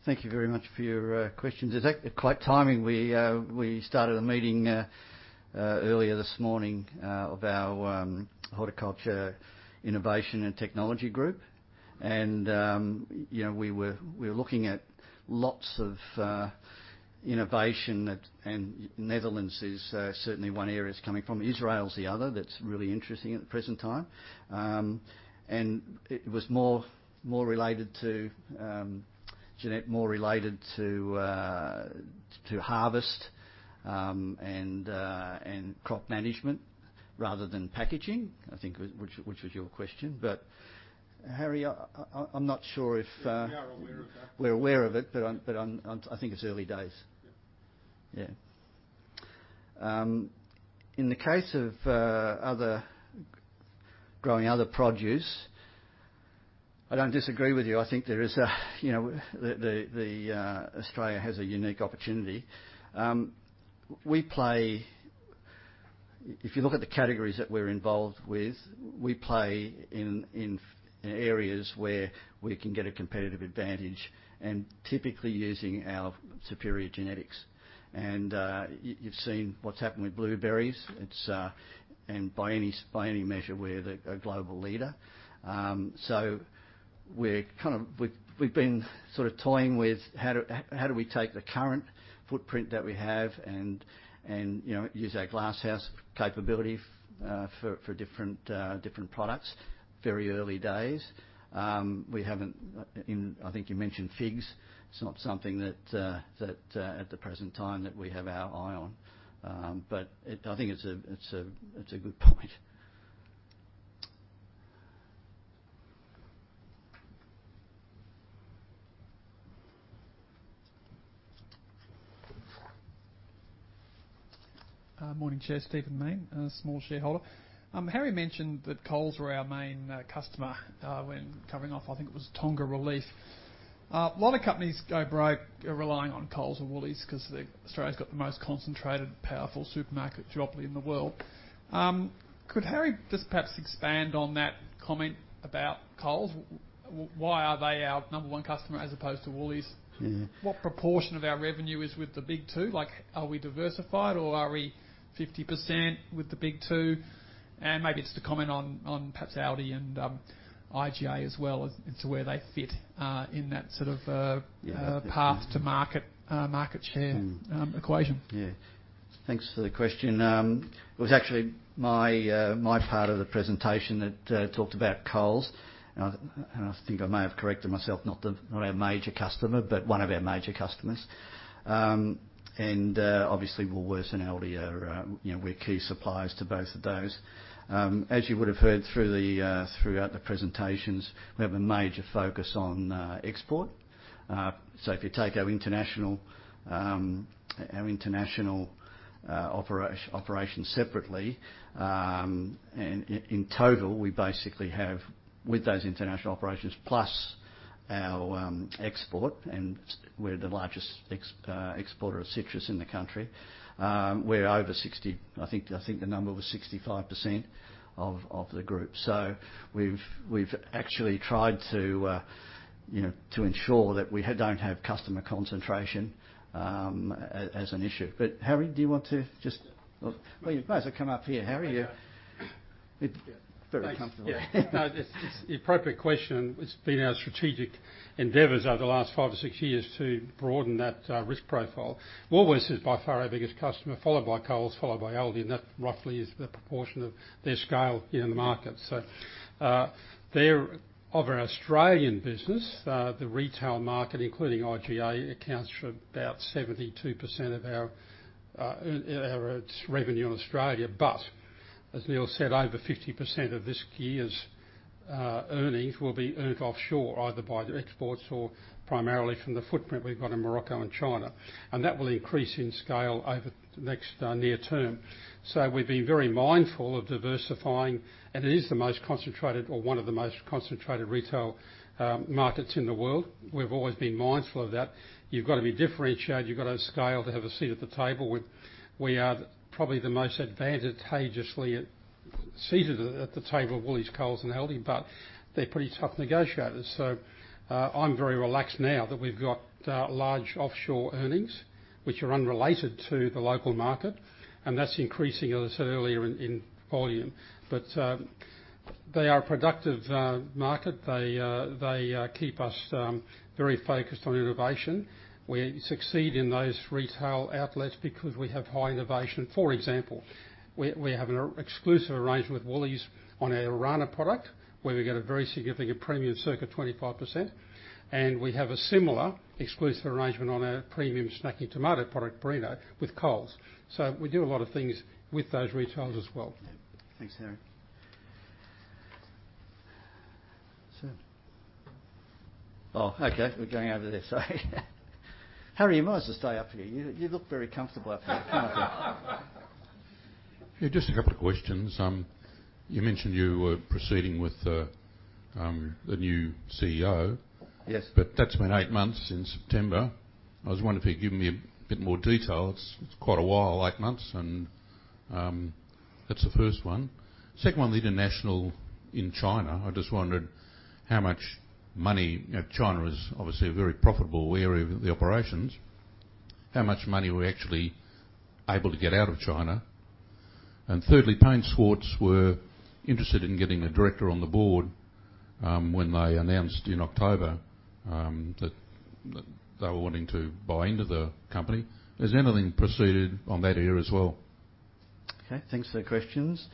Thank you very much for your questions. It's quite timing. We started a meeting earlier this morning of our Horticultural Innovation and Technology group. You know, we were looking at lots of innovation that... Netherlands is certainly one area it's coming from. Israel's the other that's really interesting at the present time. It was more, more related to Janette, more related to harvest and crop management rather than packaging, I think, which was your question. Harry, I'm not sure if. We are aware of that. We're aware of it, but I think it's early days. Yeah. Yeah. In the case of other growing other produce, I don't disagree with you. I think there is a, you know, Australia has a unique opportunity. We play. If you look at the categories that we're involved with, we play in areas where we can get a competitive advantage, and typically using our superior genetics. You've seen what's happened with blueberries. It's. By any measure, we're the, a global leader. We're kind of. We've been sort of toying with how do we take the current footprint that we have and, you know, use our glasshouse capability for different different products. Very early days. We haven't. I think you mentioned figs. It's not something that, at the present time that we have our eye on. I think it's a, it's a, it's a good point. Morning, Chair. Stephen Main, a small shareholder. Harry mentioned that Coles were our main customer when covering off, I think it was Tonga relief. A lot of companies go broke relying on Coles or Woolworths 'cause Australia's got the most concentrated, powerful supermarket duopoly in the world. Could Harry just perhaps expand on that comment about Coles? Why are they our number one customer as opposed to Woolworths? Mm-hmm. What proportion of our revenue is with the big two? Like, are we diversified or are we 50% with the big two? Maybe just to comment on perhaps ALDI and IGA as well as to where they fit in that sort of. Yeah. -path to market share- Mm-hmm. equation. Yeah. Thanks for the question. It was actually my part of the presentation that talked about Coles, and I think I may have corrected myself, not our major customer, but one of our major customers. Obviously, Woolworths and ALDI are, you know, we're key suppliers to both of those. As you would have heard throughout the presentations, we have a major focus on export. If you take our international operations separately, and in total, we basically have with those international operations plus our export, we're the largest exporter of citrus in the country. We're over 60, I think the number was 65% of the group. We've actually tried to, you know, to ensure that we don't have customer concentration, as an issue. Harry, do you want to just... Yeah. Well, you might as well come up here, Harry. Okay. You're very comfortable. Thanks. It's the appropriate question. It's been our strategic endeavors over the last five or six years to broaden that risk profile. Woolworths is by far our biggest customer, followed by Coles, followed by ALDI. That roughly is the proportion of their scale in the market. Of our Australian business, the retail market, including IGA, accounts for about 72% of its revenue in Australia. As Neil said, over 50% of this year's earnings will be earned offshore, either by the exports or primarily from the footprint we've got in Morocco and China. That will increase in scale over next near term. We've been very mindful of diversifying. It is the most concentrated or one of the most concentrated retail markets in the world. We've always been mindful of that. You've got to be differentiated. You've got to have scale to have a seat at the table. We are probably the most advantageously seated at the table of Woolies, Coles and ALDI, but they're pretty tough negotiators. I'm very relaxed now that we've got large offshore earnings which are unrelated to the local market, and that's increasing, as I said earlier, in volume. They are a productive market. They keep us very focused on innovation. We succeed in those retail outlets because we have high innovation. For example, we have an exclusive arrangement with Woolies on our Arana product, where we get a very significant premium, circa 25%. We have a similar exclusive arrangement on our premium snacky tomato product, Breeze, with Coles. We do a lot of things with those retailers as well. Yeah. Thanks, Harry. Sir. Oh, okay. We're going over this side. Harry, you might as well stay up here. You look very comfortable up here. Yeah, just a couple of questions. You mentioned you were proceeding with a new CEO. Yes. That's been eight months since September. I was wondering if you could give me a bit more detail. It's quite a while, eight months, and that's the first one. Second one, the international in China. I just wondered how much money... You know, China is obviously a very profitable area of the operations. How much money are we actually able to get out of China? Thirdly, Paine Schwartz Partners were interested in getting a director on the board when they announced in October that they were wanting to buy into the company. Has anything proceeded on that area as well? Okay, thanks for the questions.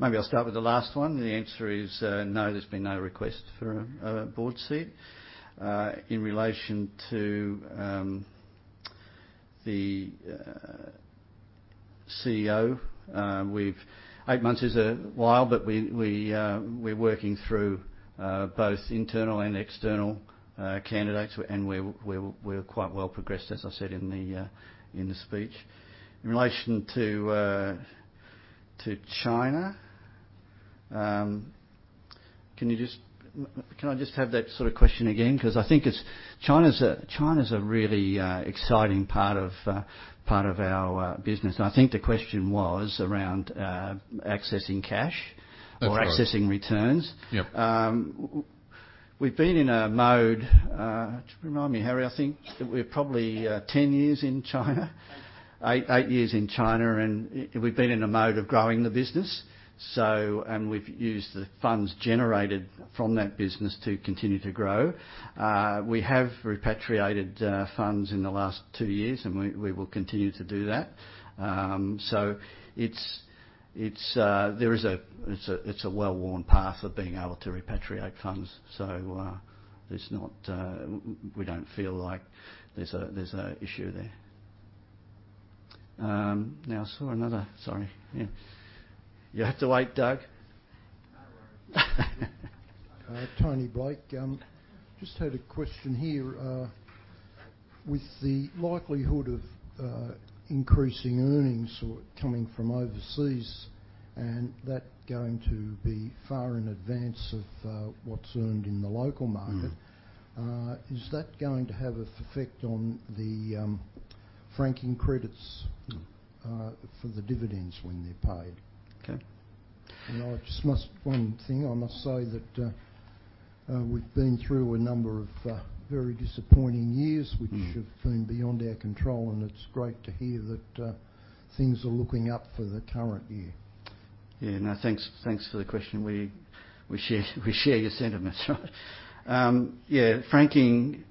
Maybe I'll start with the last one. The answer is, no, there's been no request for a board seat. In relation to the CEO, we've. Eight months is a while, but we're working through both internal and external candidates, and we're quite well progressed, as I said in the speech. In relation to China. Can I just have that sort of question again? Because I think it's. China's a really exciting part of our business. I think the question was around accessing cash. That's right. accessing returns. Yep. We've been in a mode, remind me, Harry, I think that we're probably 10 years in China, eight years in China, we've been in a mode of growing the business. So. We've used the funds generated from that business to continue to grow. We have repatriated funds in the last two years, and we will continue to do that. It's, there is a, it's a well-worn path of being able to repatriate funds. It's not, we don't feel like there's an issue there. I saw another. Sorry. Yeah. You have to wait, Doug. No worries. Tony Blake. just had a question here. with the likelihood of increasing earnings or coming from overseas, and that going to be far in advance of what's earned in the local market? Mm. Is that going to have a effect on the franking credits for the dividends when they're paid? Okay. One thing I must say that we've been through a number of very disappointing years. Mm. Which have been beyond our control, and it's great to hear that, things are looking up for the current year. Yeah. No, thanks for the question. We share your sentiments. Right. Yeah, franking,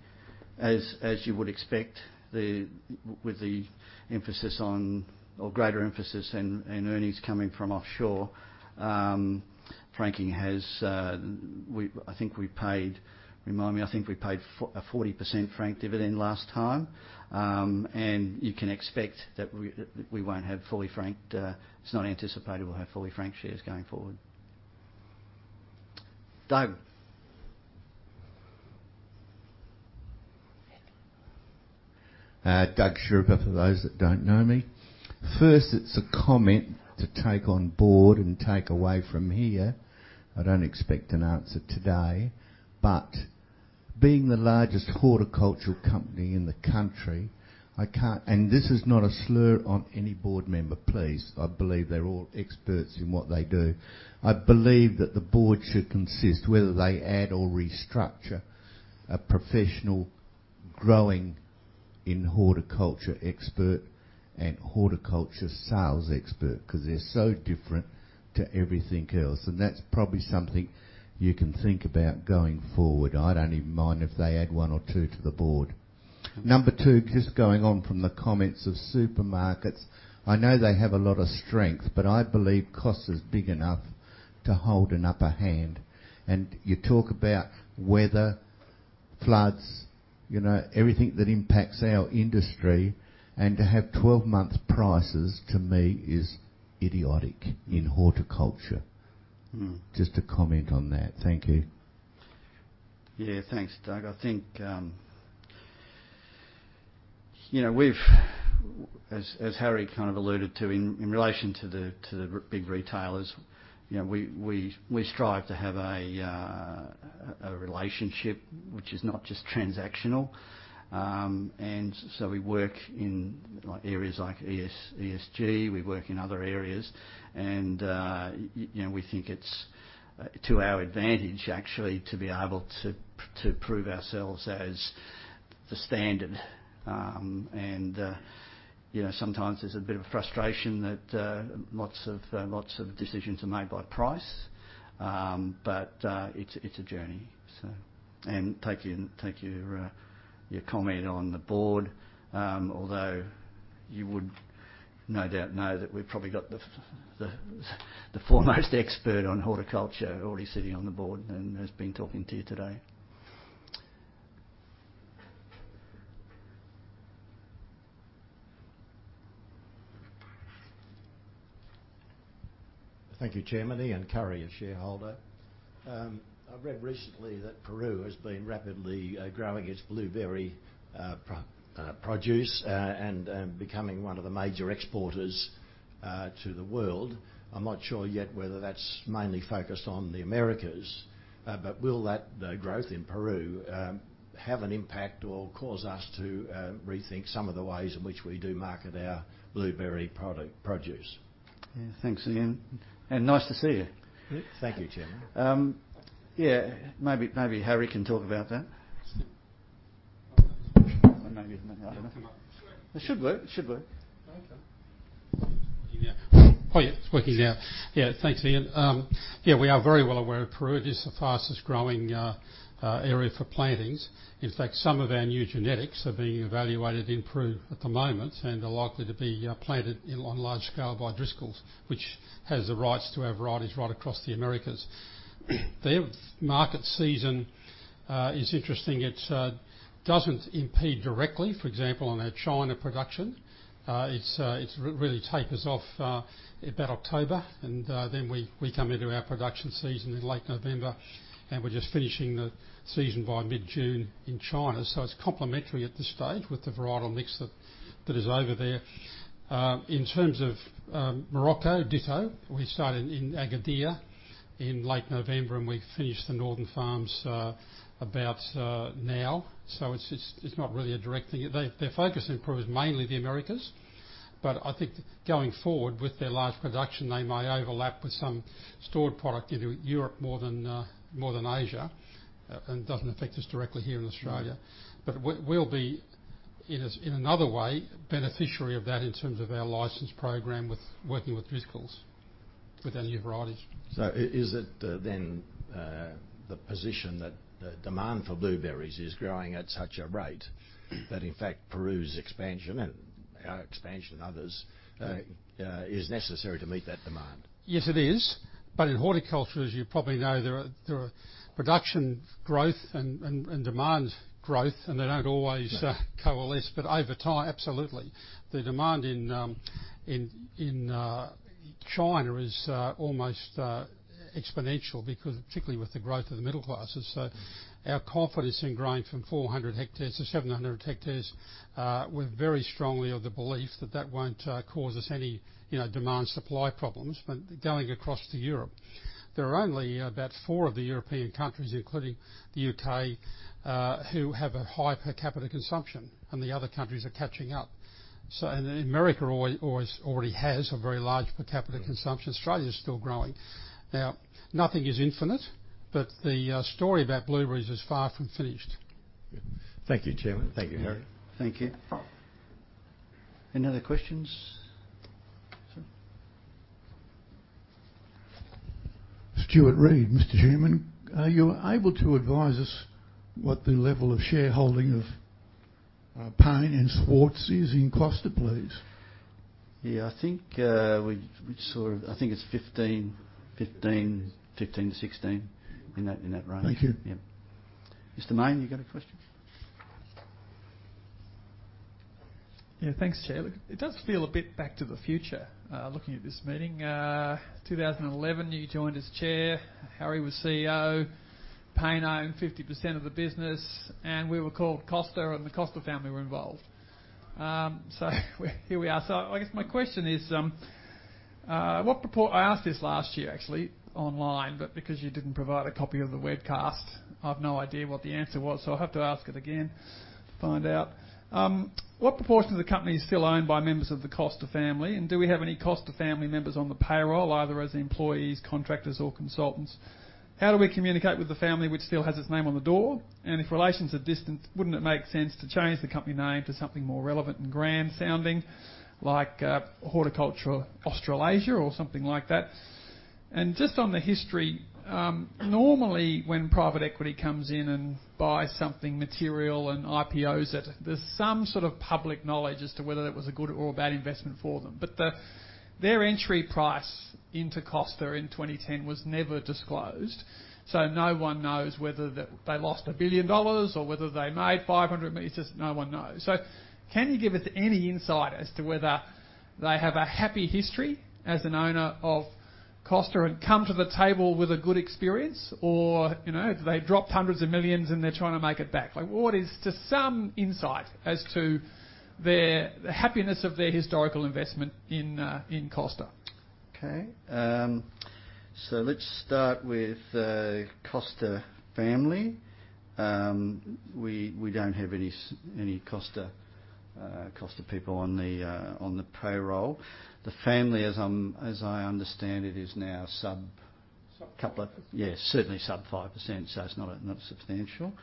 as you would expect, with the emphasis on or greater emphasis in earnings coming from offshore, franking has, I think we paid. Remind me. I think we paid a 40% franked dividend last time. You can expect that we won't have fully franked. It's not anticipated we'll have fully franked shares going forward. David. Doug Sherrier for those that don't know me. First, it's a comment to take on board and take away from here. I don't expect an answer today. Being the largest horticultural company in the country, I can't... This is not a slur on any board member, please. I believe they're all experts in what they do. I believe that the board should consist whether they add or restructure a professional growing and horticulture expert and horticulture sales expert, because they're so different to everything else. That's probably something you can think about going forward. I don't even mind if they add one or two to the board. Number two, just going on from the comments of supermarkets, I know they have a lot of strength, but I believe Costa is big enough to hold an upper hand. You talk about weather, floods, you know, everything that impacts our industry. To have 12-month prices, to me, is idiotic in horticulture. Mm. Just a comment on that. Thank you. Yeah. Thanks, Doug. I think, you know, we've... As, as Harry kind of alluded to in relation to the big retailers, you know, we, we strive to have a relationship which is not just transactional. We work in like areas like ESG, we work in other areas. You know, we think it's to our advantage, actually, to be able to prove ourselves as the standard. You know, sometimes there's a bit of frustration that, lots of, lots of decisions are made by price. It's, it's a journey. So. Thank you, thank you for your comment on the board. Although you would no doubt know that we've probably got the foremost expert on horticulture already sitting on the board and has been talking to you today. Thank you, Chairman. Ian Curry, a shareholder. I read recently that Peru has been rapidly growing its blueberry produce and becoming one of the major exporters to the world. I'm not sure yet whether that's mainly focused on the Americas, will that growth in Peru have an impact or cause us to rethink some of the ways in which we do market our blueberry produce? Yeah. Thanks, Ian, and nice to see you. Thank you, Chairman. Yeah, maybe Harry can talk about that. Maybe It should work. Okay. Oh, yeah. It's working now. Yeah. Thanks, Ian. Yeah, we are very well aware Peru is the fastest growing area for plantings. In fact, some of our new genetics are being evaluated in Peru at the moment and are likely to be planted in, on large scale by Driscoll's, which has the rights to our varieties right across the Americas. Their market season is interesting. It doesn't impede directly, for example, on our China production. It's really tapers off about October, and then we come into our production season in late November, and we're just finishing the season by mid-June in China. It's complementary at this stage with the varietal mix that is over there. In terms of Morocco, ditto. We started in Agadir in late November. We finish the northern farms, about, now. It's not really a direct thing. Their focus in Peru is mainly the Americas. I think going forward with their large production, they may overlap with some stored product in Europe more than, more than Asia. It doesn't affect us directly here in Australia. We'll be, in another way, beneficiary of that in terms of our license program with working with Driscoll's with any of varieties. Is it, then, the position that the demand for blueberries is growing at such a rate that in fact Peru's expansion and our expansion and others, is necessary to meet that demand? Yes, it is. In horticulture, as you probably know, there are production growth and demand growth, and they don't always coalesce. Over time, absolutely. The demand in China is almost exponential because particularly with the growth of the middle classes. Our confidence in growing from 400 hectares to 700 hectares, we're very strongly of the belief that that won't cause us any, you know, demand supply problems. Going across to Europe, there are only about four of the European countries, including the UK, who have a high per capita consumption, and the other countries are catching up. America already has a very large per capita consumption. Australia is still growing. Now, nothing is infinite, the story about blueberries is far from finished. Thank you, Chairman. Thank you, Harry. Thank you. Any other questions? Sir. Mr. Chairman, are you able to advise us what the level of shareholding of Paine Schwartz is in Costa, please? Yeah, I think it's 15-16 in that range. Thank you. Yeah. Mr. Main, you got a question? Yeah, thanks, Chair. It does feel a bit back to the future, looking at this meeting. 2011, you joined as Chair, Harry was CEO, Paine owned 50% of the business, we were called Costa, and the Costa family were involved. Here we are. I guess my question is, I asked this last year actually online, because you didn't provide a copy of the webcast, I've no idea what the answer was, I have to ask it again to find out. What proportion of the company is still owned by members of the Costa family? Do we have any Costa family members on the payroll, either as employees, contractors or consultants? How do we communicate with the family which still has its name on the door? If relations are distant, wouldn't it make sense to change the company name to something more relevant and grand-sounding like Horticulture Australasia or something like that? Just on the history, normally, when private equity comes in and buys something material and IPOs it, there's some sort of public knowledge as to whether that was a good or a bad investment for them. Their entry price into Costa in 2010 was never disclosed, so no one knows whether they lost 1 billion dollars or whether they made 500 million. It's just no one knows. Can you give us any insight as to whether they have a happy history as an owner of Costa and come to the table with a good experience or, you know, if they dropped AUD hundreds of millions and they're trying to make it back? Like, what is just some insight as to their, the happiness of their historical investment in Costa? Okay. Let's start with the Costa family. We don't have any Costa people on the payroll. The family, as I understand it, is now sub- Sub 5%. Yes, certainly sub 5%, so it's not substantial.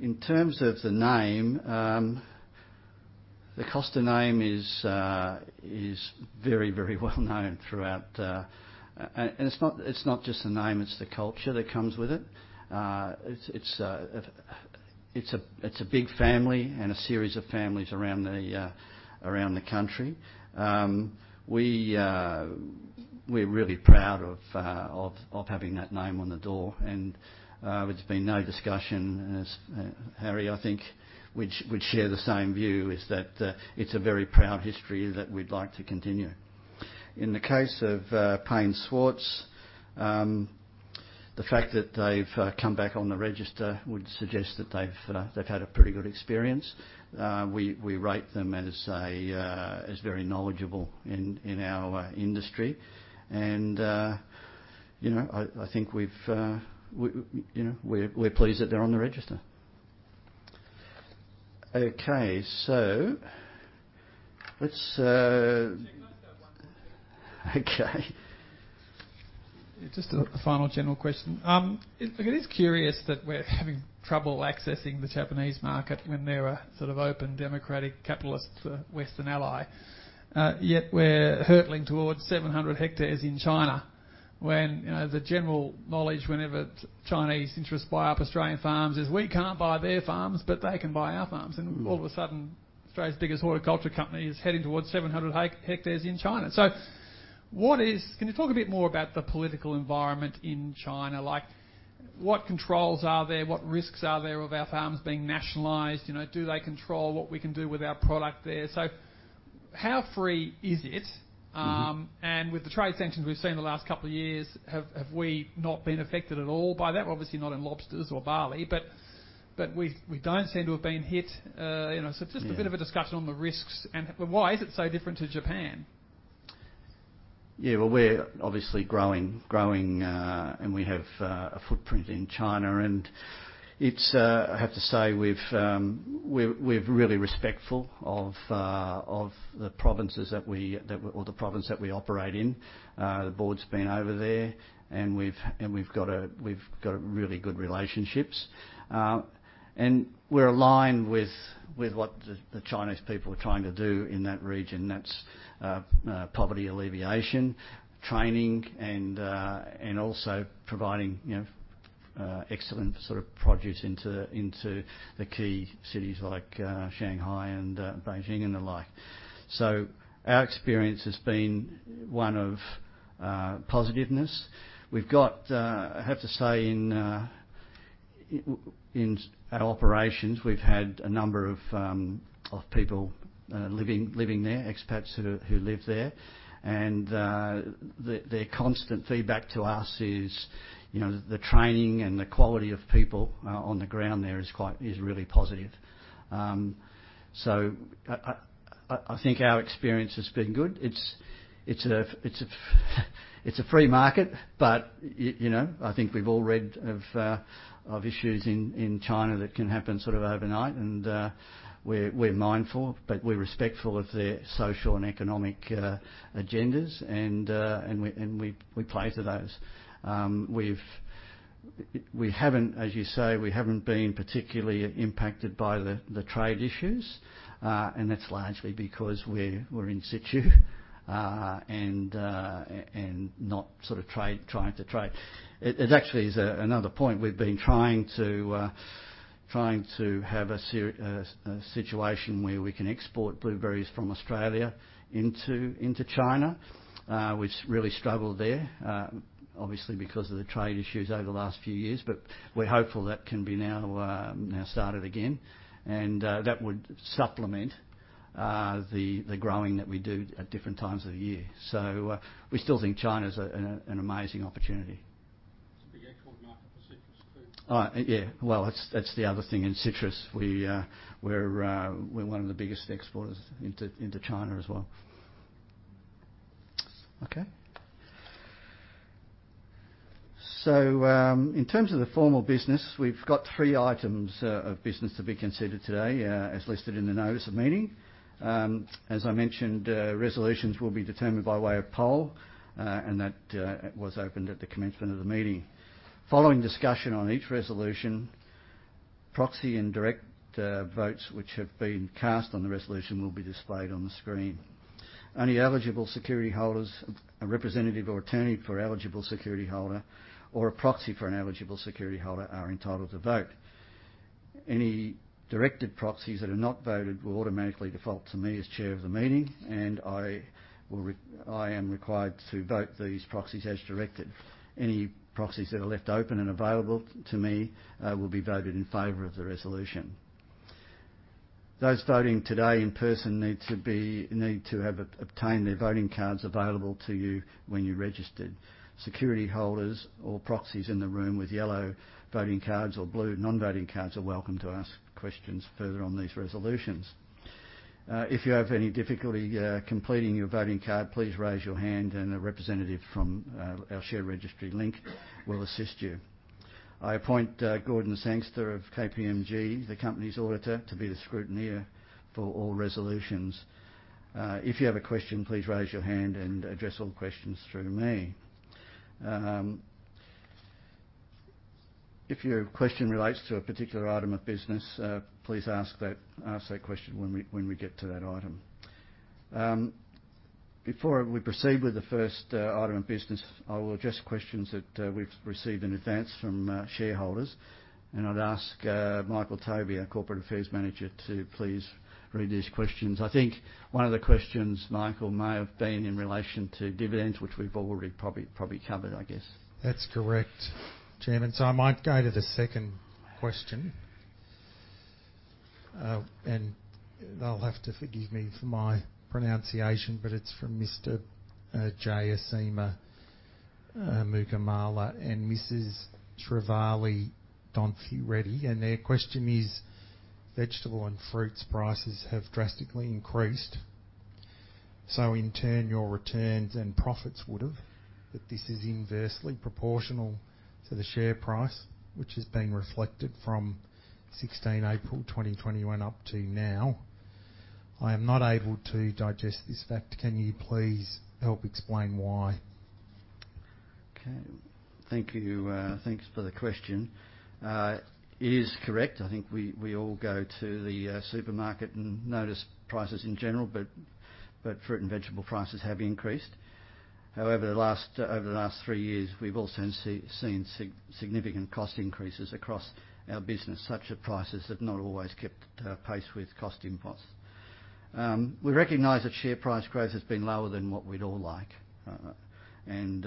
In terms of the name, the Costa name is very, very well known throughout. It's not just the name, it's the culture that comes with it. It's a big family and a series of families around the country. We're really proud of having that name on the door, it's been no discussion as Harry, I think, would share the same view, is that it's a very proud history that we'd like to continue. In the case of Paine Schwartz, the fact that they've come back on the register would suggest that they've had a pretty good experience. We, we rate them as a, as very knowledgeable in our industry. You know, I think we've, we, you know, we're pleased that they're on the register. Okay, let's. Can I just have one more, please? Okay. Just a final general question. It is curious that we're having trouble accessing the Japanese market when they're a sort of open, democratic, capitalist, Western ally. Yet we're hurtling towards 700 hectares in China when, you know, the general knowledge whenever Chinese interests buy up Australian farms is we can't buy their farms, but they can buy our farms. All of a sudden, Australia's biggest horticulture company is heading towards 700 hectares in China. Can you talk a bit more about the political environment in China? Like what controls are there? What risks are there of our farms being nationalized? You know, do they control what we can do with our product there? How free is it? Mm-hmm. With the trade sanctions we've seen the last couple of years, have we not been affected at all by that? Obviously, not in lobsters or barley, but we don't seem to have been hit, you know. Yeah. just a bit of a discussion on the risks and why is it so different to Japan? Well, we're obviously growing, and we have a footprint in China, and it's. I have to say we're really respectful of the provinces that we or the province that we operate in. The board's been over there, and we've got really good relationships. We're aligned with what the Chinese people are trying to do in that region, and that's poverty alleviation, training and also providing, you know, excellent sort of produce into the key cities like Shanghai and Beijing and the like. Our experience has been one of positiveness. We've got, I have to say in our operations, we've had a number of people living there, expats who live there. Their constant feedback to us is, you know, the training and the quality of people on the ground there is really positive. I think our experience has been good. It's a free market, but, you know, I think we've all read of issues in China that can happen sort of overnight. We're mindful, but we're respectful of their social and economic agendas, and we play to those. We haven't, as you say, we haven't been particularly impacted by the trade issues, and that's largely because we're in situ, and not sort of trade, trying to trade. It actually is another point. We've been trying to have a situation where we can export blueberries from Australia into China, which really struggled there, obviously because of the trade issues over the last few years. We're hopeful that can be now started again, and that would supplement the growing that we do at different times of the year. We still think China is an amazing opportunity. It's a big export market for citrus too. Yeah. Well, that's the other thing. In citrus, we're one of the biggest exporters into China as well. In terms of the formal business, we've got three items of business to be considered today as listed in the notice of meeting. As I mentioned, resolutions will be determined by way of poll, and that was opened at the commencement of the meeting. Following discussion on each resolution, proxy and direct votes which have been cast on the resolution will be displayed on the screen. Only eligible security holders, a representative or attorney for eligible security holder or a proxy for an eligible security holder are entitled to vote. Any directed proxies that are not voted will automatically default to me as chair of the meeting, and I am required to vote these proxies as directed. Any proxies that are left open and available to me, will be voted in favor of the resolution. Those voting today in person need to have obtained their voting cards available to you when you registered. Security holders or proxies in the room with yellow voting cards or blue non-voting cards are welcome to ask questions further on these resolutions. If you have any difficulty completing your voting card, please raise your hand and a representative from our share registry Link will assist you. I appoint Gordon Sangster of KPMG, the company's auditor, to be the scrutineer for all resolutions. If you have a question, please raise your hand and address all questions through me. If your question relates to a particular item of business, please ask that question when we get to that item. Before we proceed with the first item of business, I will address questions that we've received in advance from shareholders. I'd ask Michael Toby, our corporate affairs manager, to please read these questions. I think one of the questions, Michael, may have been in relation to dividends, which we've already probably covered, I guess. That's correct, Chairman. I might go to the second question. They'll have to forgive me for my pronunciation, but it's from Mr. Jayasimha Mugama and Mrs. Travali Donti Reddy. Their question is, vegetable and fruits prices have drastically increased. In turn, your returns and profits would have, but this is inversely proportional to the share price which is being reflected from 16 April 2021 up to now. I am not able to digest this fact. Can you please help explain why? Okay. Thank you. Thanks for the question. It is correct. I think we all go to the supermarket and notice prices in general, but fruit and vegetable prices have increased. However, over the last three years, we've also seen significant cost increases across our business, such that prices have not always kept pace with cost inputs. We recognize that share price growth has been lower than what we'd all like. And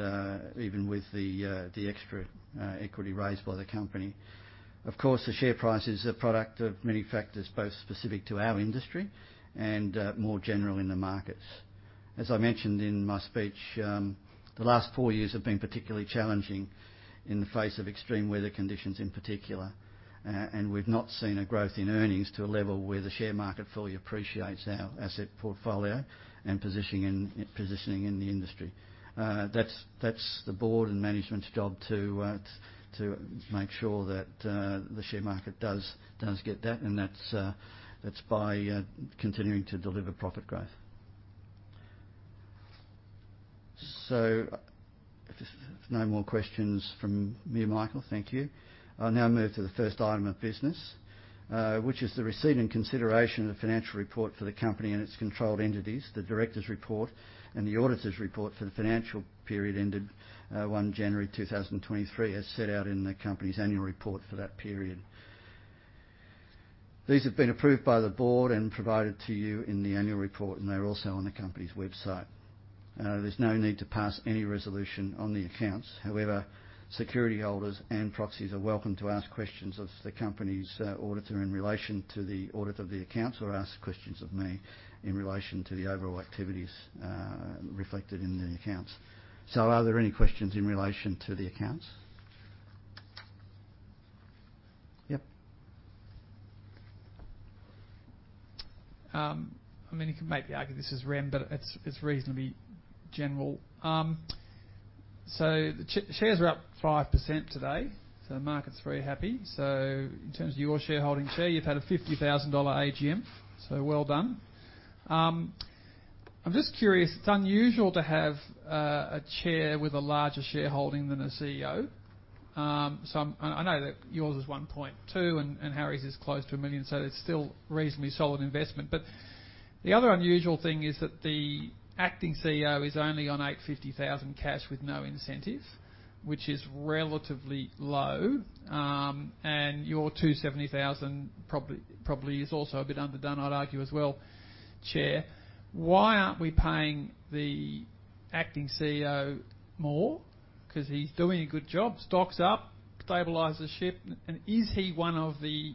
even with the extra equity raised by the company. Of course, the share price is a product of many factors, both specific to our industry and more general in the markets. As I mentioned in my speech, the last four years have been particularly challenging in the face of extreme weather conditions, in particular. We've not seen a growth in earnings to a level where the share market fully appreciates our asset portfolio and positioning in the industry. That's the board and management's job to make sure that the share market does get that, and that's by continuing to deliver profit growth. If there's no more questions from me and Michael. Thank you. I'll now move to the first item of business, which is the receipt and consideration of the financial report for the company and its controlled entities, the directors' report, and the auditors' report for the financial period ended January 1, 2023, as set out in the company's annual report for that period. These have been approved by the board and provided to you in the annual report, and they're also on the company's website. There's no need to pass any resolution on the accounts. However, security holders and proxies are welcome to ask questions of the company's auditor in relation to the audit of the accounts, or ask questions of me in relation to the overall activities reflected in the accounts. Are there any questions in relation to the accounts? Yep. You can maybe argue this is REM, it's reasonably general. The shares are up 5% today, the market's very happy. In terms of your shareholding share, you've had a 50,000 dollar AGM, well done. I'm just curious. It's unusual to have a Chair with a larger shareholding than a CEO. I know that yours is 1.2 million and Harry's is close to 1 million, it's still reasonably solid investment. The other unusual thing is that the acting CEO is only on 850,000 cash with no incentive, which is relatively low. Your 270,000 probably is also a bit underdone, I'd argue as well, Chair. Why aren't we paying the acting CEO more? He's doing a good job. Stock's up, stabilized the ship. Is he one of the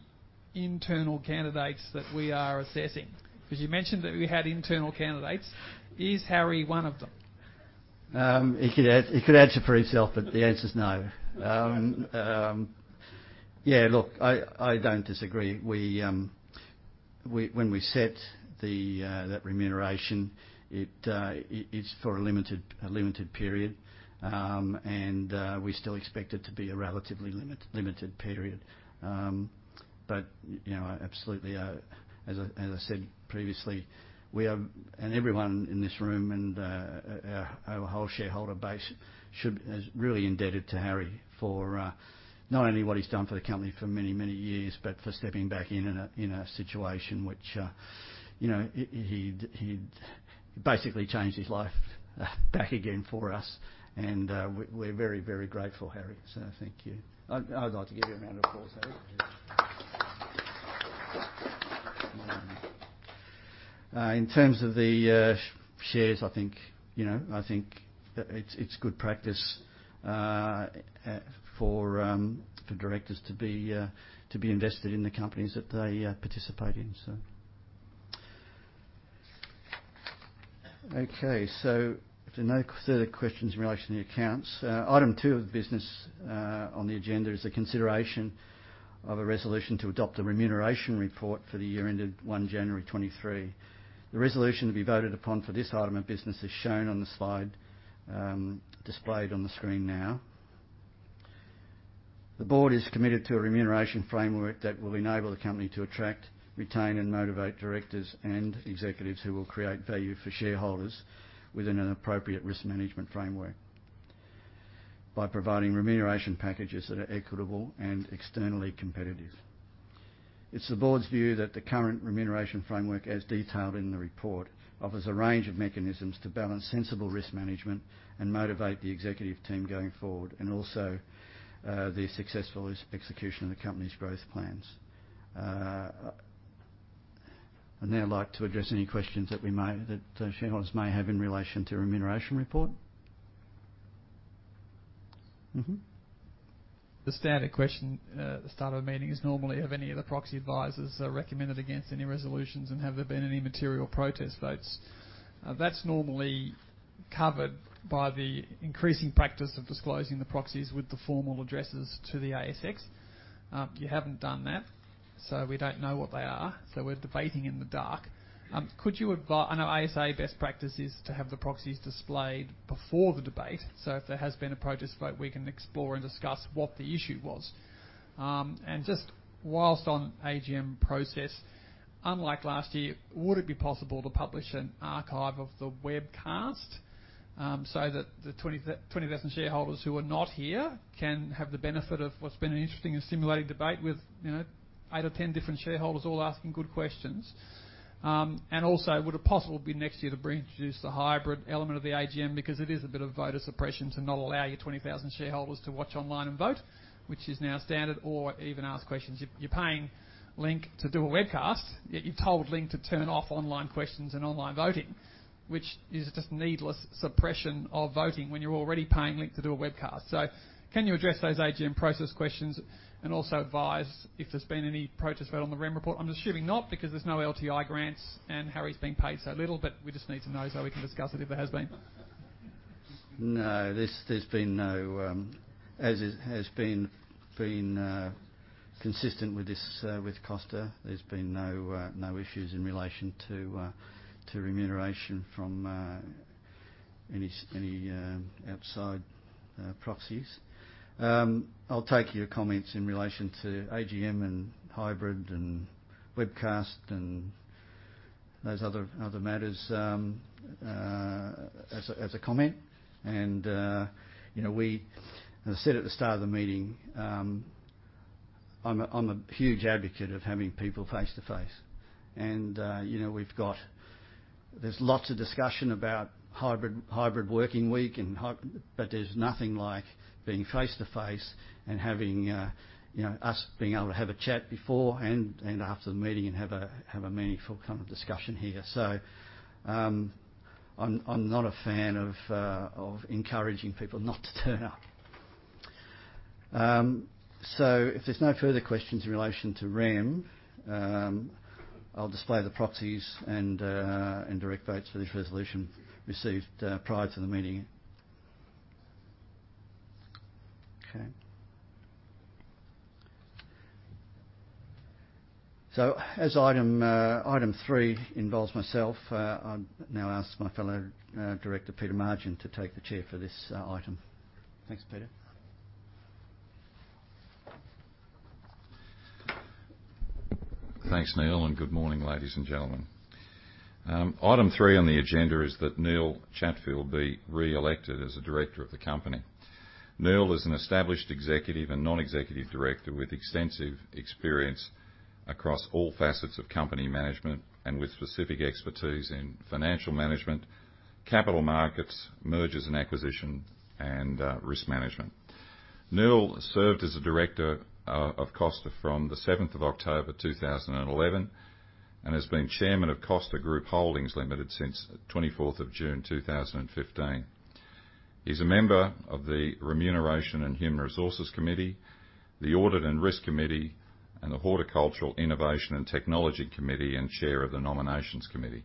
internal candidates that we are assessing? Because you mentioned that we had internal candidates. Is Harry one of them? He could answer for himself, but the answer is no. I don't disagree. When we set that remuneration, it's for a limited period. We still expect it to be a relatively limited period. You know, absolutely, as I said previously, we are and everyone in this room and our whole shareholder base is really indebted to Harry for not only what he's done for the company for many, many years, but for stepping back in a situation which, you know, he basically changed his life back again for us. We're very, very grateful, Harry. Thank you. I'd like to give you a round of applause, Harry. In terms of the shares, I think, you know, I think that it's good practice for directors to be invested in the companies that they participate in. If there are no further questions in relation to the accounts, item two of the business on the agenda is the consideration of a resolution to adopt the remuneration report for the year ended 1 January 2023. The resolution to be voted upon for this item of business is shown on the slide displayed on the screen now. The board is committed to a remuneration framework that will enable the company to attract, retain, and motivate directors and executives who will create value for shareholders within an appropriate risk management framework, by providing remuneration packages that are equitable and externally competitive. It's the board's view that the current remuneration framework, as detailed in the report, offers a range of mechanisms to balance sensible risk management and motivate the executive team going forward, and also, the successful execution of the company's growth plans. I'd now like to address any questions that shareholders may have in relation to remuneration report. The standard question at the start of a meeting is normally of any of the proxy advisors are recommended against any resolutions, and have there been any material protest votes. That's normally covered by the increasing practice of disclosing the proxies with the formal addresses to the ASX. You haven't done that, so we don't know what they are. We're debating in the dark. Could you I know ASA best practice is to have the proxies displayed before the debate, so if there has been a protest vote, we can explore and discuss what the issue was. Whilst on AGM process, unlike last year, would it be possible to publish an archive of the webcast so that the 20,000 shareholders who are not here can have the benefit of what's been an interesting and stimulating debate with, you know, eight or 10 different shareholders all asking good questions. Would it be possible next year to reintroduce the hybrid element of the AGM because it is a bit of voter suppression to not allow you 20,000 shareholders to watch online and vote, which is now standard or even ask questions. You're paying Link to do a webcast, yet you told Link to turn off online questions and online voting, which is just needless suppression of voting when you're already paying Link to do a webcast. Can you address those AGM process questions and also advise if there's been any protest vote on the REM report? I'm assuming not because there's no LTI grants and Harry's being paid so little, but we just need to know so we can discuss it if there has been. No. There's been no. As it has been consistent with this, with Costa, there's been no issues in relation to remuneration from any outside proxies. I'll take your comments in relation to AGM and hybrid and webcast and those other matters as a comment. You know, I said at the start of the meeting, I'm a huge advocate of having people face to face. You know, there's lots of discussion about hybrid working week but there's nothing like being face to face and having, you know, us being able to have a chat before and after the meeting and have a meaningful kind of discussion here. I'm not a fan of encouraging people not to turn up. If there's no further questions in relation to REM, I'll display the proxies and direct votes for this resolution received prior to the meeting. Okay. As item three involves myself, I'll now ask my fellow director, Peter Margin, to take the chair for this item. Thanks, Peter. Thanks, Neil, and good morning, ladies and gentlemen. Item three on the agenda is that Neil Chatfield be reelected as a director of the company. Neil is an established executive and non-executive director with extensive experience across all facets of company management and with specific expertise in financial management, capital markets, mergers and acquisition, and risk management. Neil served as a director of Costa from the 7th of October, 2011, and has been chairman of Costa Group Holdings Limited since 24th of June, 2015. He's a member of the Remuneration and Human Resources Committee, the Audit and Risk Committee, and the Horticultural Innovation and Technology Committee, and chair of the Nominations Committee.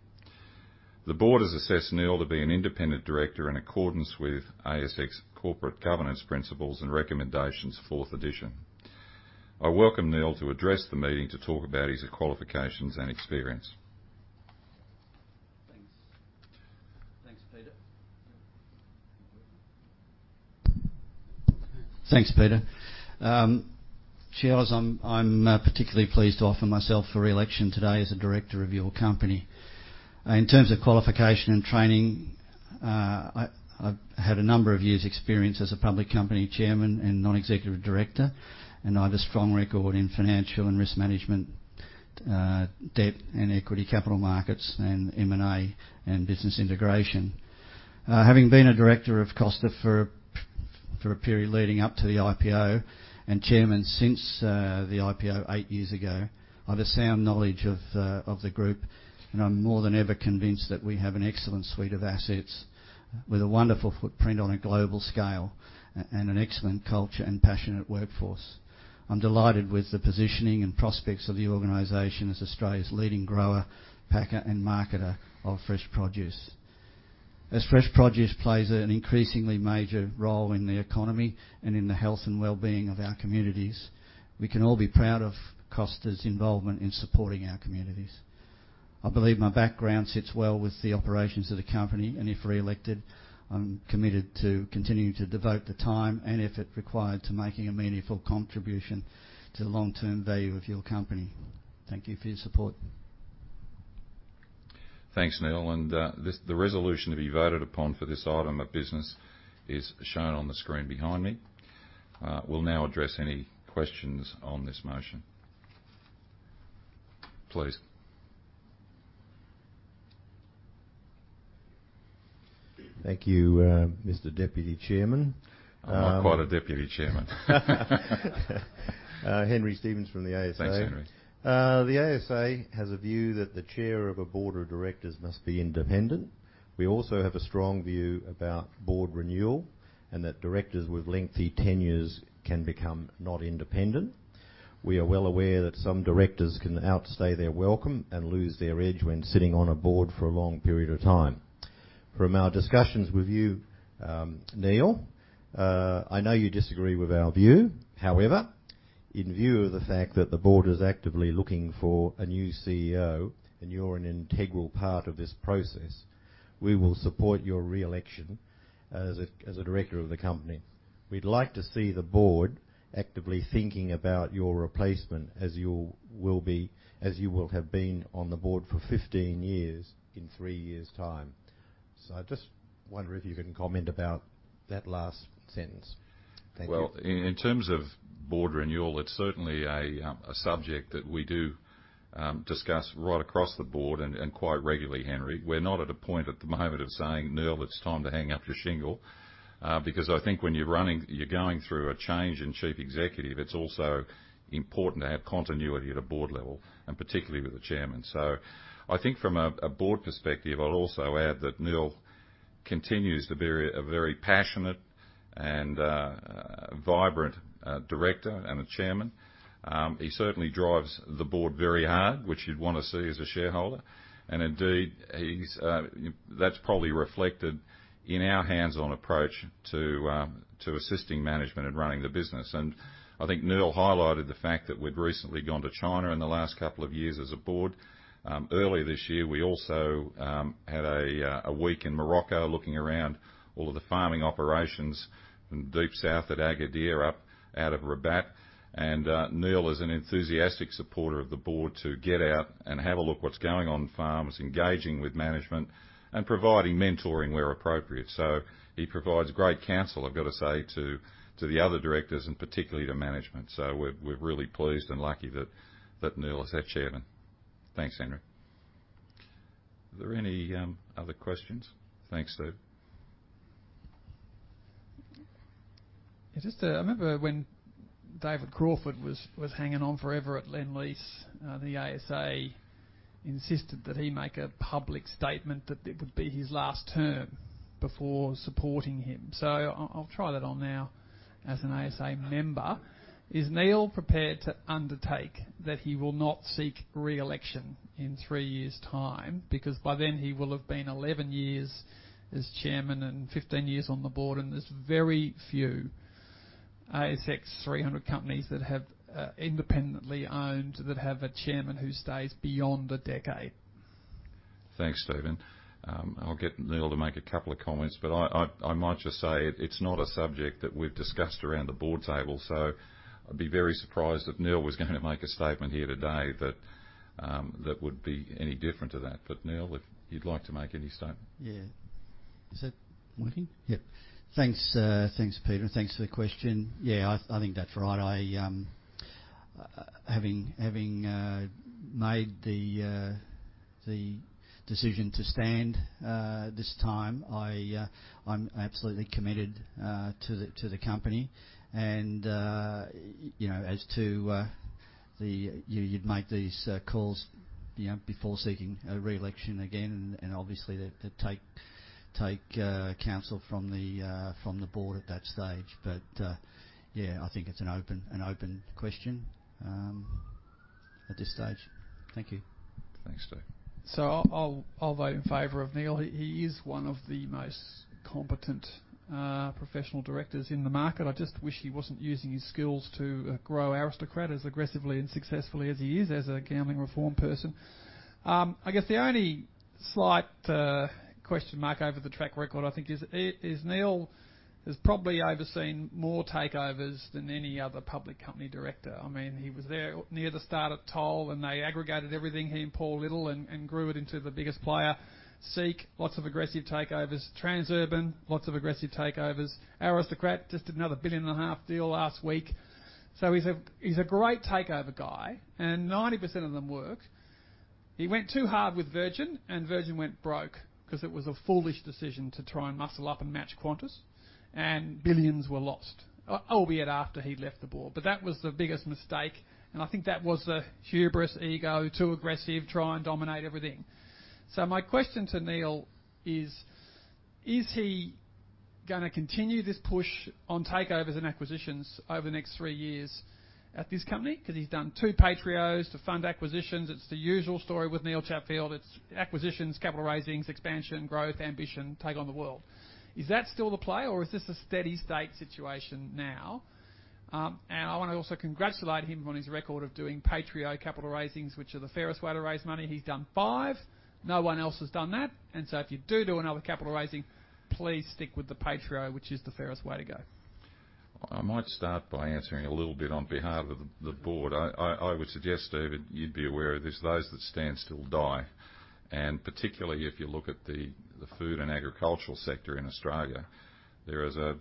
The board has assessed Neil to be an independent director in accordance with ASX Corporate Governance Principles and Recommendations, fourth edition. I welcome Neil to address the meeting to talk about his qualifications and experience. Thanks, Peter. Chairs, I'm particularly pleased to offer myself for reelection today as a director of your company. In terms of qualification and training, I've had a number of years' experience as a public company chairman and non-executive director. I have a strong record in financial and risk management, debt and equity capital markets and M&A and business integration. Having been a director of Costa for a period leading up to the IPO and chairman since the IPO eight years ago, I have a sound knowledge of the group. I'm more than ever convinced that we have an excellent suite of assets with a wonderful footprint on a global scale and an excellent culture and passionate workforce. I'm delighted with the positioning and prospects of the organization as Australia's leading grower, packer and marketer of fresh produce. As fresh produce plays an increasingly major role in the economy and in the health and well-being of our communities, we can all be proud of Costa's involvement in supporting our communities. I believe my background sits well with the operations of the company, and if reelected, I'm committed to continuing to devote the time and effort required to making a meaningful contribution to the long-term value of your company. Thank you for your support. Thanks, Neil, the resolution to be voted upon for this item of business is shown on the screen behind me. We'll now address any questions on this motion. Please. Thank you, Mr. Deputy Chairman. I'm not quite a deputy chairman. Henry Stephens from the ASA. Thanks, Henry. The ASA has a view that the chair of a board of directors must be independent. We also have a strong view about board renewal and that directors with lengthy tenures can become not independent. We are well aware that some directors can outstay their welcome and lose their edge when sitting on a board for a long period of time. From our discussions with you, Neil, I know you disagree with our view. In view of the fact that the board is actively looking for a new CEO and you're an integral part of this process, we will support your reelection as a director of the company. We'd like to see the board actively thinking about your replacement as you will have been on the board for 15 years in three years' time. I just wonder if you can comment about that last sentence. Thank you. In terms of board renewal, it's certainly a subject that we do discuss right across the board and quite regularly, Henry. We're not at a point at the moment of saying, "Neil, it's time to hang up your shingle," because I think when you're going through a change in chief executive, it's also important to have continuity at a board level, and particularly with the Chairman. I think from a board perspective, I'll also add that Neil continues to be a very passionate and vibrant director and a Chairman. He certainly drives the board very hard, which you'd wanna see as a shareholder. That's probably reflected in our hands-on approach to assisting management and running the business. I think Neil highlighted the fact that we'd recently gone to China in the last couple of years as a board. Early this year, we also had a week in Morocco looking around all of the farming operations in deep south at Agadir, up out of Rabat. Neil is an enthusiastic supporter of the board to get out and have a look what's going on in farms, engaging with management and providing mentoring where appropriate. He provides great counsel, I've got to say, to the other directors and particularly to management. We're really pleased and lucky that Neil is our chairman. Thanks, Henry. Are there any other questions? Thanks, Steve. Just, I remember when David Crawford was hanging on forever at Lendlease, the ASA insisted that he make a public statement that it would be his last term before supporting him. I'll try that on now as an ASA member. Is Neil prepared to undertake that he will not seek re-election in three years' time? Because by then he will have been 11 years as chairman and 15 years on the board, and there's very few ASX 300 companies that have, independently owned, that have a chairman who stays beyond a decade. Thanks, Stephen. I'll get Neil to make a couple of comments, but I might just say it's not a subject that we've discussed around the board table, so I'd be very surprised if Neil was gonna make a statement here today that would be any different to that. Neil, if you'd like to make any statement. Yeah. Is it working? Yeah. Thanks. Thanks, Peter, thanks for the question. I think that's right. I, having made the decision to stand this time, I'm absolutely committed to the company. You know, you'd make these calls, you know, before seeking a re-election again, obviously they take counsel from the board at that stage. I think it's an open question at this stage. Thank you. Thanks, Steve. I'll vote in favor of Neil. He is one of the most competent, professional directors in the market. I just wish he wasn't using his skills to grow Aristocrat as aggressively and successfully as he is as a gambling reform person. I guess the only slight question mark over the track record, I mean, I think is Neil has probably overseen more takeovers than any other public company director. I mean, he was there near the start of Toll, and they aggregated everything, he and Paul Little, and grew it into the biggest player. SEEK, lots of aggressive takeovers. Transurban, lots of aggressive takeovers. Aristocrat, just another 1.5 billion deal last week. He's a great takeover guy, and 90% of them work. He went too hard with Virgin went broke because it was a foolish decision to try and muscle up and match Qantas, and billions were lost, albeit after he'd left the board. That was the biggest mistake, and I think that was a hubris ego, too aggressive, try and dominate everything. My question to Neil is: Is he gonna continue this push on takeovers and acquisitions over the next three years at this company? 'Cause he's done two PAITREOs to fund acquisitions. It's the usual story with Neil Chatfield. It's acquisitions, capital raisings, expansion, growth, ambition, take on the world. Is that still the play, or is this a steady state situation now? I wanna also congratulate him on his record of doing PAITREO capital raisings, which are the fairest way to raise money. He's done five. No one else has done that. If you do do another capital raising, please stick with the PAITREO, which is the fairest way to go. I might start by answering a little bit on behalf of the board. I would suggest, Steven, you'd be aware of this. Those that stand still die. Particularly if you look at the food and agricultural sector in Australia, there is a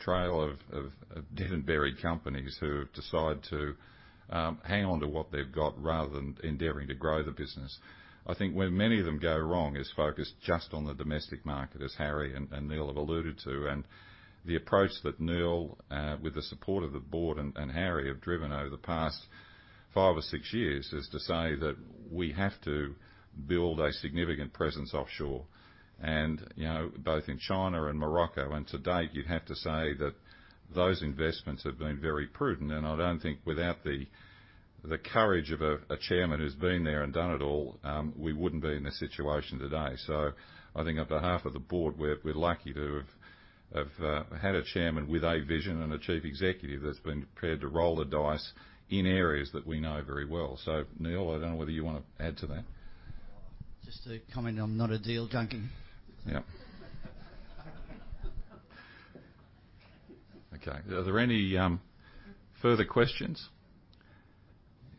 trail of dead and buried companies who decide to hang on to what they've got rather than endeavoring to grow the business. I think where many of them go wrong is focus just on the domestic market, as Harry and Neil have alluded to. The approach that Neil with the support of the board and Harry have driven over the past five or six years is to say that we have to build a significant presence offshore and, you know, both in China and Morocco. To date, you'd have to say that those investments have been very prudent, and I don't think without the courage of a chairman who's been there and done it all, we wouldn't be in this situation today. I think on behalf of the board, we're lucky to have had a chairman with a vision and a chief executive that's been prepared to roll the dice in areas that we know very well. Neil, I don't know whether you wanna add to that. Just to comment, I'm not a deal junkie. Yep. Okay. Are there any further questions?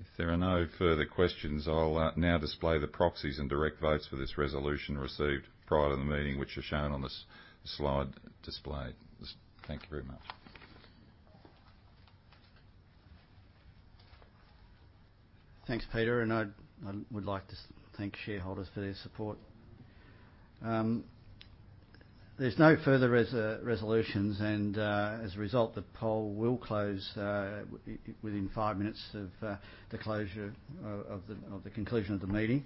If there are no further questions, I'll now display the proxies and direct votes for this resolution received prior to the meeting, which are shown on this slide displayed. Thank you very much. Thanks, Peter. I would like to thank shareholders for their support. There's no further resolutions. As a result, the poll will close within five minutes of the closure of the conclusion of the meeting.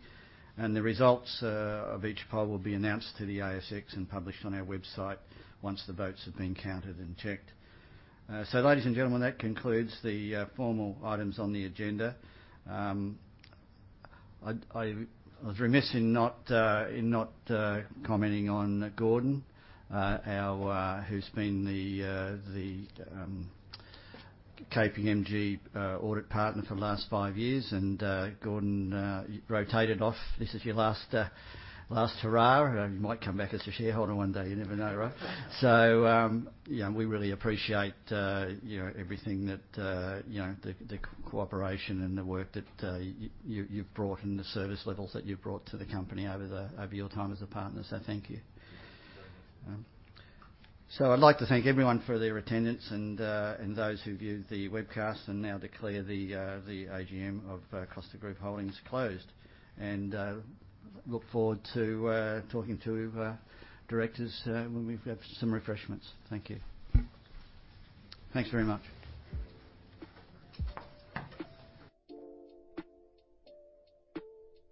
The results of each poll will be announced to the ASX and published on our website once the votes have been counted and checked. Ladies and gentlemen, that concludes the formal items on the agenda. I was remiss in not commenting on Gordon, our, who's been the KPMG audit partner for the last five years. Gordon, you rotated off. This is your last hurrah. You might come back as a shareholder one day. You never know, right? Yeah, we really appreciate, you know, everything that, you know, the cooperation and the work that you've brought and the service levels that you've brought to the company over your time as a partner. Thank you. Thank you. I'd like to thank everyone for their attendance and those who viewed the webcast and now declare the AGM of Costa Group Holdings closed. Look forward to talking to directors when we've some refreshments. Thank you. Thanks very much.